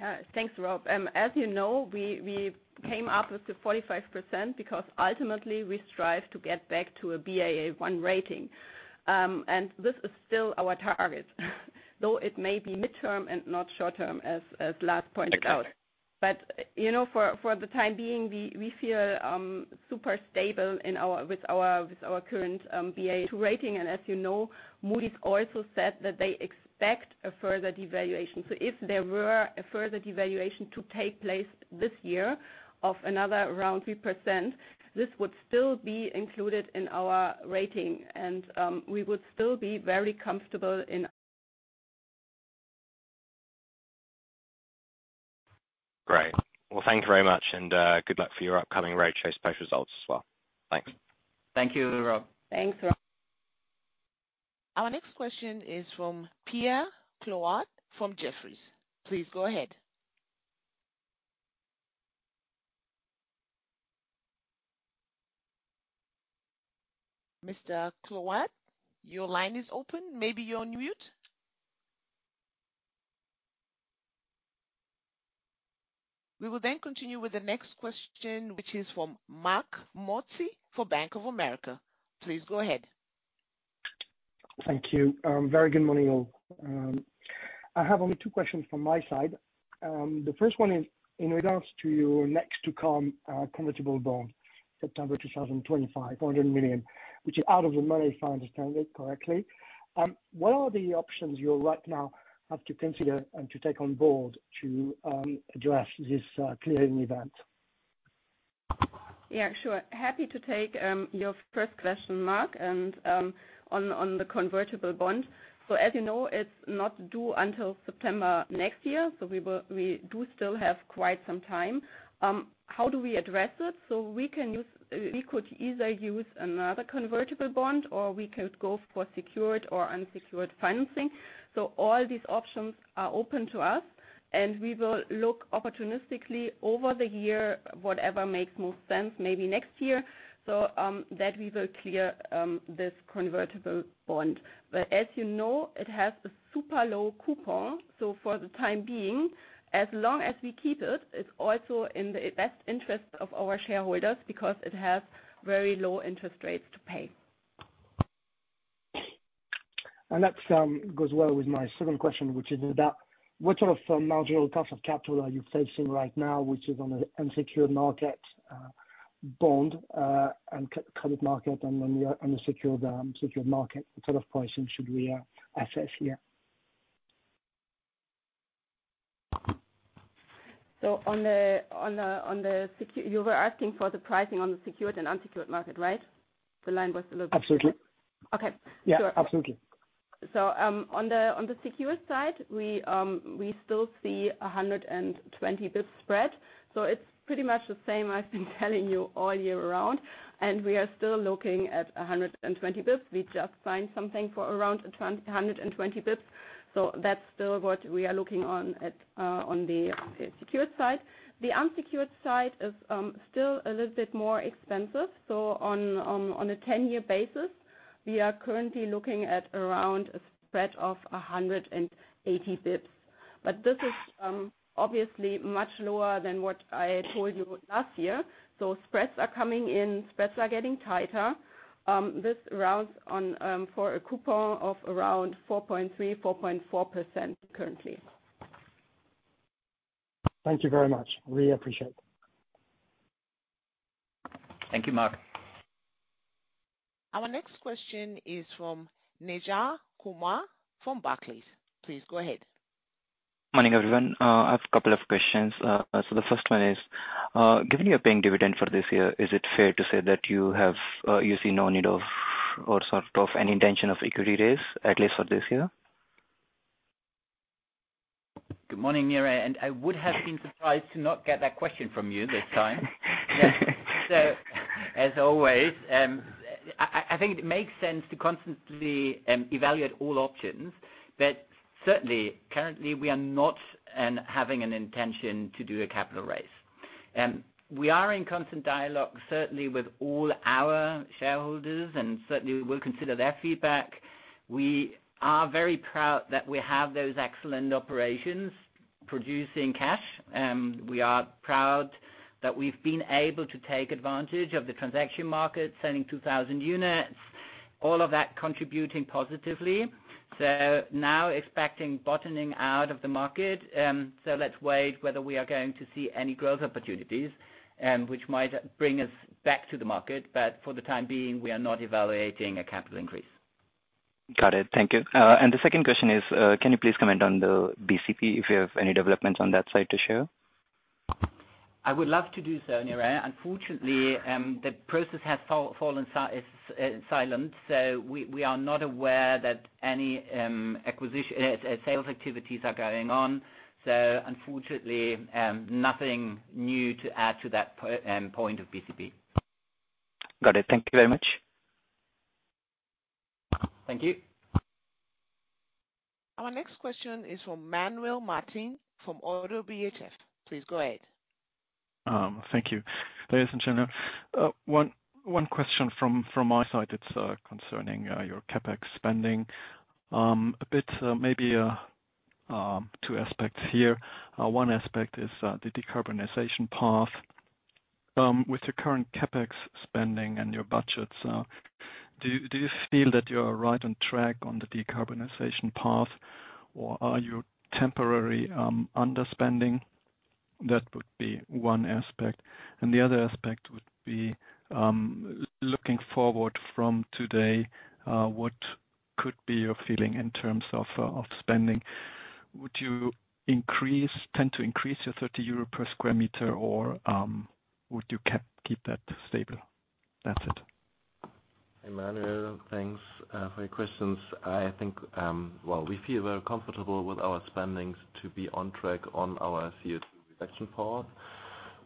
Yeah. Thanks, Rob. As you know, we came up with the 45% because ultimately, we strive to get back to a Baa1 rating. And this is still our target, though it may be mid-term and not short-term as Lars pointed out. But for the time being, we feel super stable with our current Baa2 rating. And as you know, Moody's also said that they expect a further devaluation. So if there were a further devaluation to take place this year of another round 3%, this would still be included in our rating, and we would still be very comfortable in. Great. Well, thank you very much, and good luck for your upcoming roadshow special results as well. Thanks. Thank you, Rob. Thanks, Rob. Our next question is from Pierre Clouard from Jefferies. Please go ahead. Mr. Clouard, your line is open. Maybe you're on mute. We will then continue with the next question, which is from Marc Sheridan for Bank of America. Please go ahead. Thank you. Very good morning, all. I have only two questions from my side. The first one is in regards to your next-to-come convertible bond, September 2025. 400 million, which is out of the money, if I understand it correctly. What are the options you right now have to consider and to take on board to address this clearing event? Yeah. Sure. Happy to take your first question, Mark, and on the convertible bond. So as you know, it's not due until September next year, so we do still have quite some time. How do we address it? So we could either use another convertible bond, or we could go for secured or unsecured financing. So all these options are open to us, and we will look opportunistically over the year, whatever makes most sense, maybe next year, so that we will clear this convertible bond. But as you know, it has a super low coupon. So for the time being, as long as we keep it, it's also in the best interest of our shareholders because it has very low interest rates to pay. And that goes well with my second question, which is about what sort of marginal cost of capital are you facing right now, which is on an unsecured market bond and credit market and then the unsecured market? What sort of pricing should we assess here? So on the you were asking for the pricing on the secured and unsecured market, right? The line was a little bit. Absolutely. Okay. Sure. Absolutely. So on the secured side, we still see a 120 basis point spread. So it's pretty much the same I've been telling you all year round. And we are still looking at 120 basis points. We just signed something for around 120 basis points. So that's still what we are looking on the secured side. The unsecured side is still a little bit more expensive. So on a 10-year basis, we are currently looking at around a spread of 180 basis points. But this is obviously much lower than what I told you last year. So spreads are coming in. Spreads are getting tighter. This rounds for a coupon of around 4.3%-4.4% currently. Thank you very much. Really appreciate it. Thank you, Mark. Our next question is from Neeraj Kumar from Barclays. Please go ahead. Morning, everyone. I have a couple of questions. The first one is, given your paying dividend for this year, is it fair to say that you see no need or sort of any intention of equity raise, at least for this year? Good morning, Neeraj. I would have been surprised to not get that question from you this time. As always, I think it makes sense to constantly evaluate all options. Certainly, currently, we are not having an intention to do a capital raise. We are in constant dialogue, certainly, with all our shareholders, and certainly, we'll consider their feedback. We are very proud that we have those excellent operations producing cash. We are proud that we've been able to take advantage of the transaction market, selling 2,000 units, all of that contributing positively. So now expecting bottoming out of the market. So let's wait whether we are going to see any growth opportunities which might bring us back to the market. But for the time being, we are not evaluating a capital increase. Got it. Thank you. And the second question is, can you please comment on the BCP if you have any developments on that side to share? I would love to do so, Neeraj. Unfortunately, the process has fallen silent. So we are not aware that any sales activities are going on. So unfortunately, nothing new to add to that point of BCP. Got it. Thank you very much. Thank you. Our next question is from Manuel Martin from ODDO BHF. Please go ahead. Thank you, ladies and gentlemen. One question from my side. It's concerning your CapEx spending. A bit maybe two aspects here. One aspect is the decarbonization path. With your current CapEx spending and your budgets, do you feel that you are right on track on the decarbonization path, or are you temporarily underspending? That would be one aspect. And the other aspect would be looking forward from today, what could be your feeling in terms of spending? Would you tend to increase your 30 euro per square meter, or would you keep that stable? That's it. Hey, Manuel. Thanks for your questions. I think, well, we feel very comfortable with our spending to be on track on our CO2 reduction path.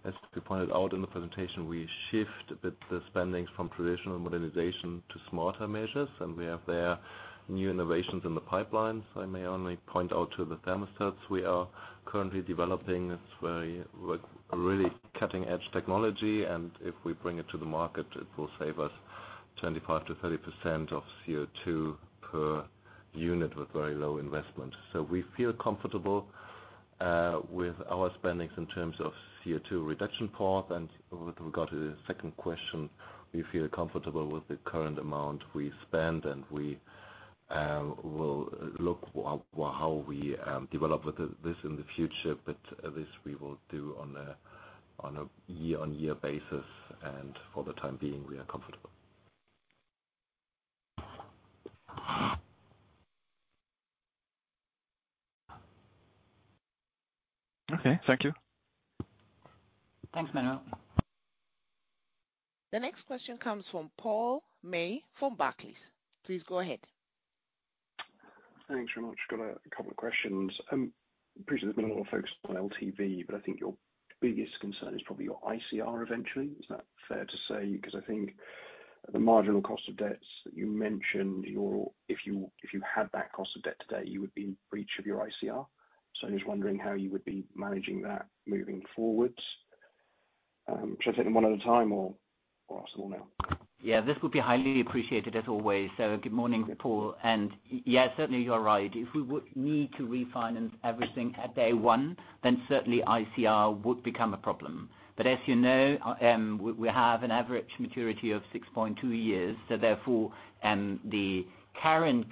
As we pointed out in the presentation, we shift a bit the spending from traditional modernization to smarter measures. And we have there new innovations in the pipeline. So I may only point out to the thermostats we are currently developing. It's really cutting-edge technology. And if we bring it to the market, it will save us 25%-30% of CO2 per unit with very low investment. So we feel comfortable with our spendings in terms of CO2 reduction path. And with regard to the second question, we feel comfortable with the current amount we spend. And we will look at how we develop this in the future. But this, we will do on a year-on-year basis. And for the time being, we are comfortable. Okay. Thank you. Thanks, Manuel. The next question comes from Paul May from Barclays. Please go ahead. Thanks very much. Got a couple of questions. Appreciate there's been a lot of focus on LTV, but I think your biggest concern is probably your ICR eventually. Is that fair to say? Because I think the marginal cost of debt that you mentioned, if you had that cost of debt today, you would be in breach of your ICR. So I'm just wondering how you would be managing that moving forward. Should I take them one at a time, or ask them all now? Yeah. This would be highly appreciated, as always. So good morning, Paul. And yeah, certainly, you are right. If we would need to refinance everything at day one, then certainly, ICR would become a problem. But as you know, we have an average maturity of 6.2 years. So therefore, the current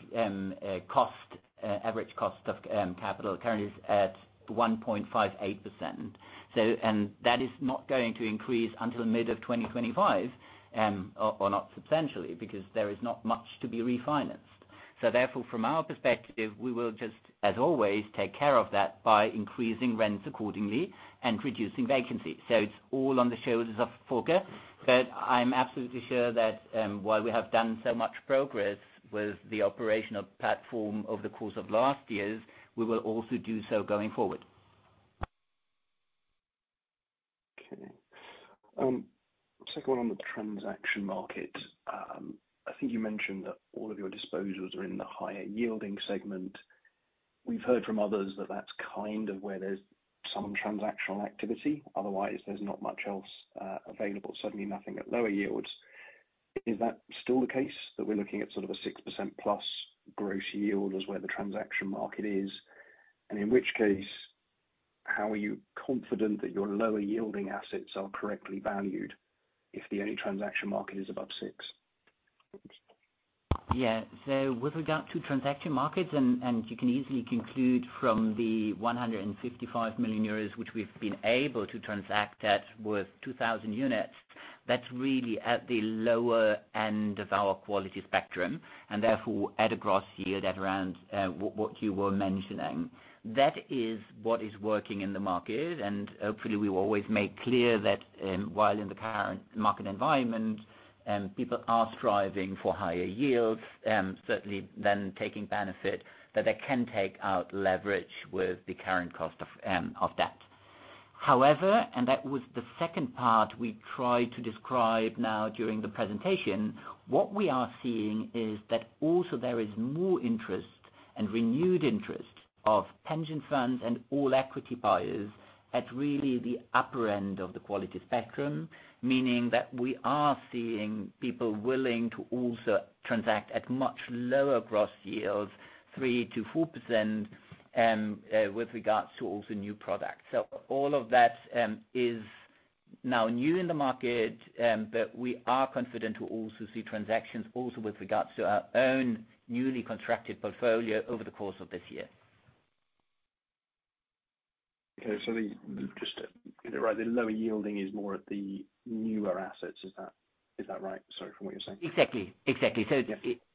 average cost of capital currently is at 1.58%. And that is not going to increase until mid of 2025 or not substantially because there is not much to be refinanced. So therefore, from our perspective, we will just, as always, take care of that by increasing rents accordingly and reducing vacancy. So it's all on the shoulders of Volker. But I'm absolutely sure that while we have done so much progress with the operational platform over the course of last years, we will also do so going forward. Okay. Second one on the transaction market. I think you mentioned that all of your disposals are in the higher-yielding segment. We've heard from others that that's kind of where there's some transactional activity. Otherwise, there's not much else available, suddenly nothing at lower yields. Is that still the case, that we're looking at sort of a 6%+ gross yield as where the transaction market is? And in which case, how are you confident that your lower-yielding assets are correctly valued if the only transaction market is above 6%? Yeah. With regard to transaction markets, and you can easily conclude from the 155 million euros which we've been able to transact at with 2,000 units, that's really at the lower end of our quality spectrum and therefore at a gross yield at around what you were mentioning. That is what is working in the market. Hopefully, we will always make clear that while in the current market environment, people are striving for higher yields, certainly then taking benefit, that they can take out leverage with the current cost of debt. However, and that was the second part we tried to describe now during the presentation, what we are seeing is that also there is more interest and renewed interest of pension funds and all equity buyers at really the upper end of the quality spectrum, meaning that we are seeing people willing to also transact at much lower gross yields, 3%-4%, with regards to also new products. So all of that is now new in the market, but we are confident to also see transactions also with regards to our own newly contracted portfolio over the course of this year. Okay. So just to get it right, the lower yielding is more at the newer assets. Is that right, sorry, from what you're saying? Exactly. Exactly. So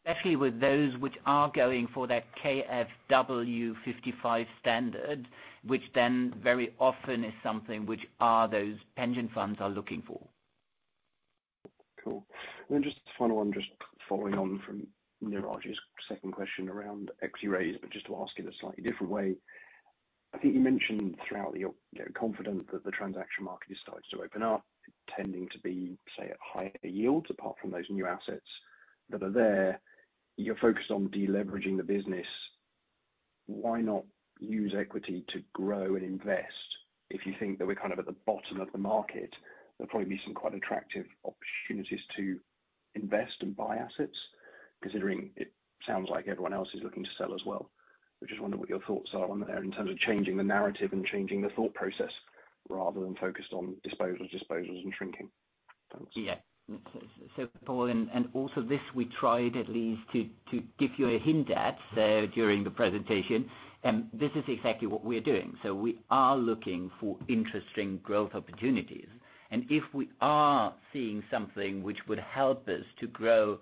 especially with those which are going for that KfW 55 standard, which then very often is something which those pension funds are looking for. Cool. And then just the final one, just following on from Neeraj's second question around equity raise, but just to ask it a slightly different way. I think you mentioned throughout the confident that the transaction market is starting to open up, tending to be, say, at higher yields apart from those new assets that are there. You're focused on deleveraging the business. Why not use equity to grow and invest? If you think that we're kind of at the bottom of the market, there'll probably be some quite attractive opportunities to invest and buy assets, considering it sounds like everyone else is looking to sell as well. I just wonder what your thoughts are on there in terms of changing the narrative and changing the thought process rather than focused on disposals, disposals, and shrinking. Thanks. Yeah. So, Paul, and also this, we tried at least to give you a hint at during the presentation. This is exactly what we are doing. So we are looking for interesting growth opportunities. And if we are seeing something which would help us to grow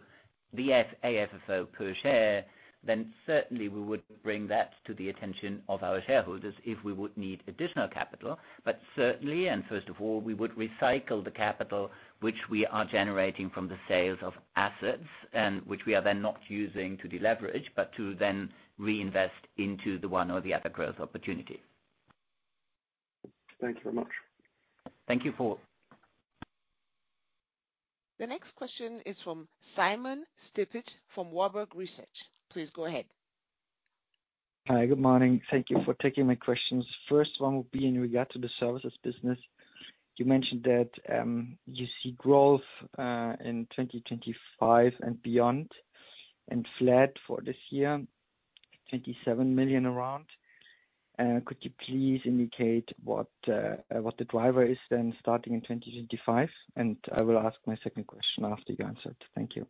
the AFFO per share, then certainly, we would bring that to the attention of our shareholders if we would need additional capital. But certainly, and first of all, we would recycle the capital which we are generating from the sales of assets and which we are then not using to deleverage but to then reinvest into the one or the other growth opportunity. Thank you very much. Thank you, Paul. The next question is from Simon Stippich from Warburg Research. Please go ahead. Hi. Good morning. Thank you for taking my questions. First one will be in regard to the services business. You mentioned that you see growth in 2025 and beyond and flat for this year, around 27 million. Could you please indicate what the driver is then starting in 2025? And I will ask my second question after you answer it. Thank you.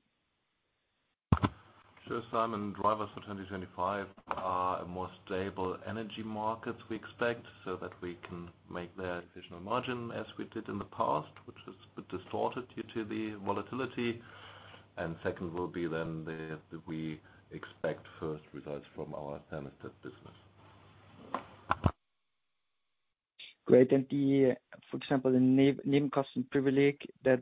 Sure, Simon. Drivers for 2025 are more stable energy markets we expect so that we can make their additional margin as we did in the past, which is a bit distorted due to the volatility. And second will be then that we expect first results from our thermostat business. Great. For example, the Nebenkostenprivileg, the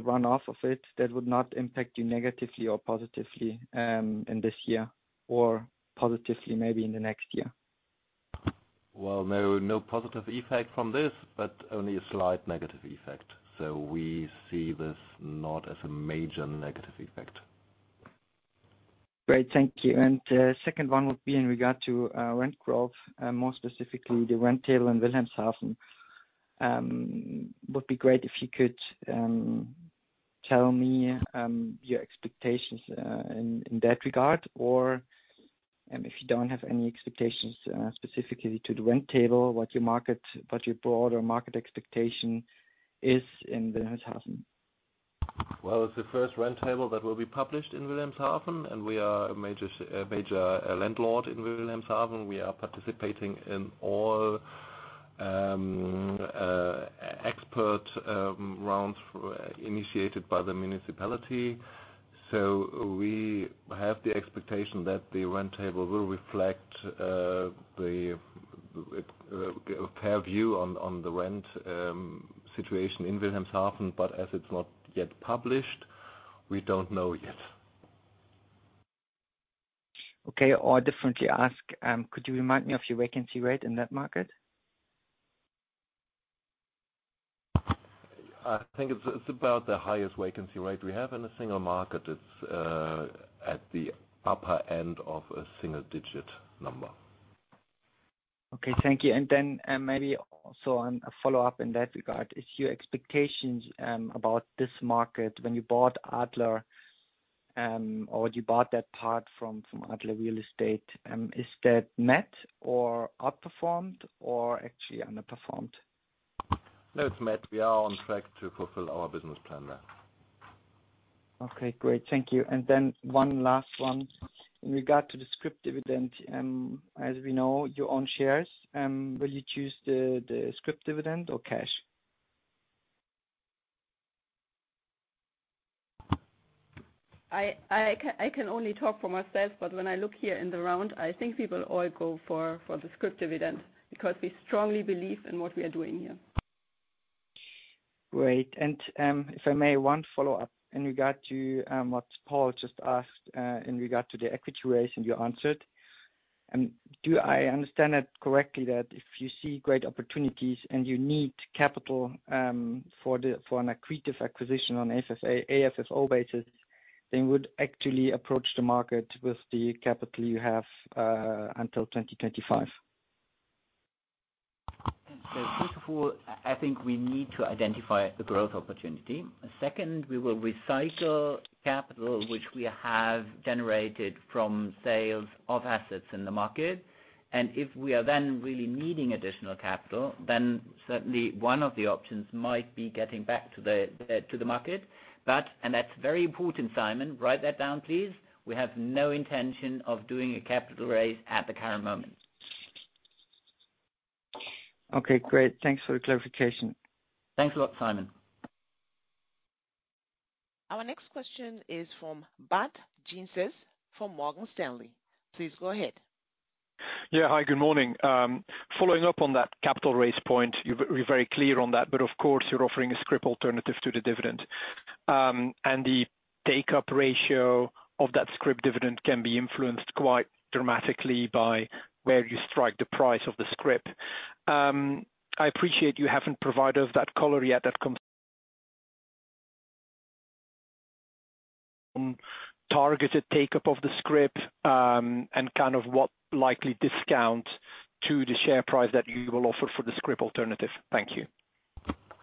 runoff of it, that would not impact you negatively or positively in this year or positively maybe in the next year? Well, there will be no positive effect from this but only a slight negative effect. So we see this not as a major negative effect. Great. Thank you. Second one would be in regard to rent growth, more specifically the rent table in Wilhelmshaven. Would be great if you could tell me your expectations in that regard or if you don't have any expectations specifically to the rent table, what your broader market expectation is in Wilhelmshaven. Well, it's the first rent table that will be published in Wilhelmshaven. And we are a major landlord in Wilhelmshaven. We are participating in all expert rounds initiated by the municipality. So we have the expectation that the rent table will reflect a fair view on the rent situation in Wilhelmshaven. But as it's not yet published, we don't know yet. Okay. Or differently ask, could you remind me of your vacancy rate in that market? I think it's about the highest vacancy rate we have in a single market. It's at the upper end of a single-digit number. Okay. Thank you. And then maybe also a follow-up in that regard. Is your expectations about this market when you bought Adler or when you bought that part from Adler Real Estate, is that met or outperformed or actually underperformed? No, it's met. We are on track to fulfill our business plan there. Okay. Great. Thank you. And then one last one. In regard to the scrip dividend, as we know, your own shares, will you choose the scrip dividend or cash? I can only talk for myself. But when I look here in the round, I think people all go for the scrip dividend because we strongly believe in what we are doing here. Great. And if I may, one follow-up in regard to what Paul just asked in regard to the equity raise and you answered. Do I understand it correctly that if you see great opportunities and you need capital for an accretive acquisition on AFFO basis, then you would actually approach the market with the capital you have until 2025? First of all, I think we need to identify the growth opportunity. Second, we will recycle capital which we have generated from sales of assets in the market. And if we are then really needing additional capital, then certainly, one of the options might be getting back to the market. And that's very important, Simon. Write that down, please. We have no intention of doing a capital raise at the current moment. Okay. Great. Thanks for the clarification. Thanks a lot, Simon. Our next question is from Bart Gysens from Morgan Stanley. Please go ahead. Yeah. Hi. Good morning. Following up on that capital raise point, you're very clear on that. But of course, you're offering a scrip alternative to the dividend. And the takeup ratio of that scrip dividend can be influenced quite dramatically by where you strike the price of the scrip. I appreciate you haven't provided that color yet, that targeted takeup of the scrip and kind of what likely discount to the share price that you will offer for the scrip alternative. Thank you.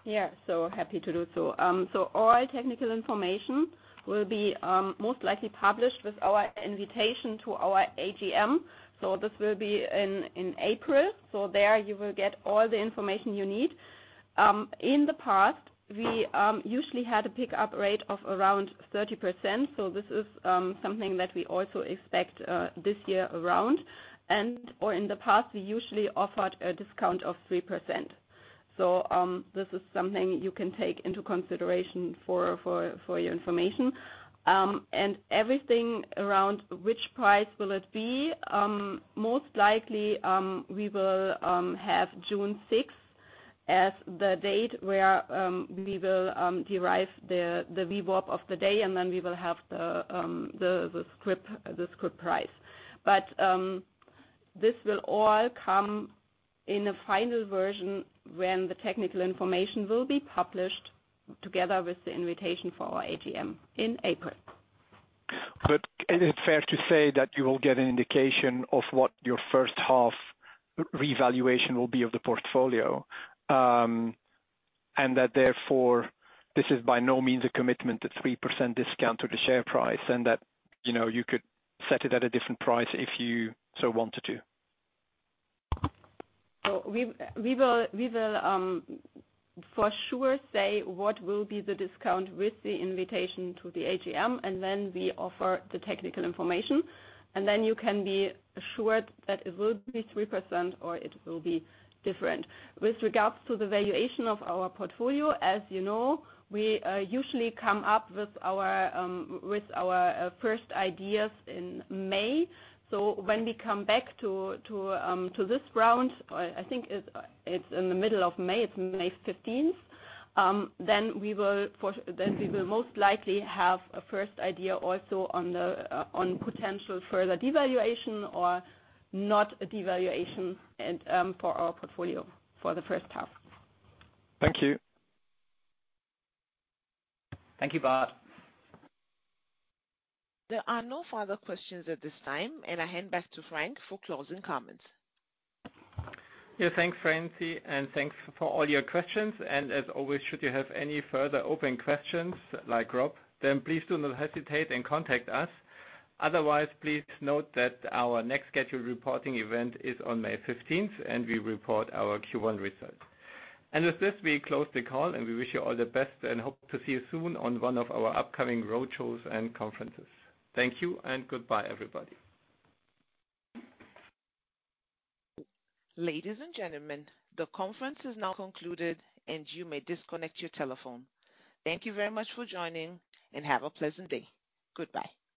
Yeah. So happy to do so. So all technical information will be most likely published with our invitation to our AGM. So this will be in April. So there, you will get all the information you need. In the past, we usually had a pickup rate of around 30%. This is something that we also expect this year around. In the past, we usually offered a discount of 3%. This is something you can take into consideration for your information. Everything around what price it will be, most likely, we will have June 6th as the date where we will derive the VWAP of the day. And then we will have the scrip price. But this will all come in a final version when the technical information will be published together with the invitation for our AGM in April. Is it fair to say that you will get an indication of what your first-half revaluation will be of the portfolio and that therefore, this is by no means a commitment to 3% discount to the share price and that you could set it at a different price if you so wanted to? We will for sure say what will be the discount with the invitation to the AGM. Then we offer the technical information. Then you can be assured that it will be 3% or it will be different. With regards to the valuation of our portfolio, as you know, we usually come up with our first ideas in May. When we come back to this round, I think it's in the middle of May. It's May 15th. Then we will most likely have a first idea also on potential further devaluation or not a devaluation for our portfolio for the first half. Thank you. Thank you, Bart. There are no further questions at this time. I hand back to Frank for closing comments. Yeah. Thanks, Francie. Thanks for all your questions. As always, should you have any further open questions like Rob, then please do not hesitate and contact us. Otherwise, please note that our next scheduled reporting event is on May 15th. We report our Q1 results. With this, we close the call. We wish you all the best and hope to see you soon on one of our upcoming roadshows and conferences. Thank you. Goodbye, everybody. Ladies and gentlemen, the conference is now concluded. You may disconnect your telephone. Thank you very much for joining. Have a pleasant day. Goodbye.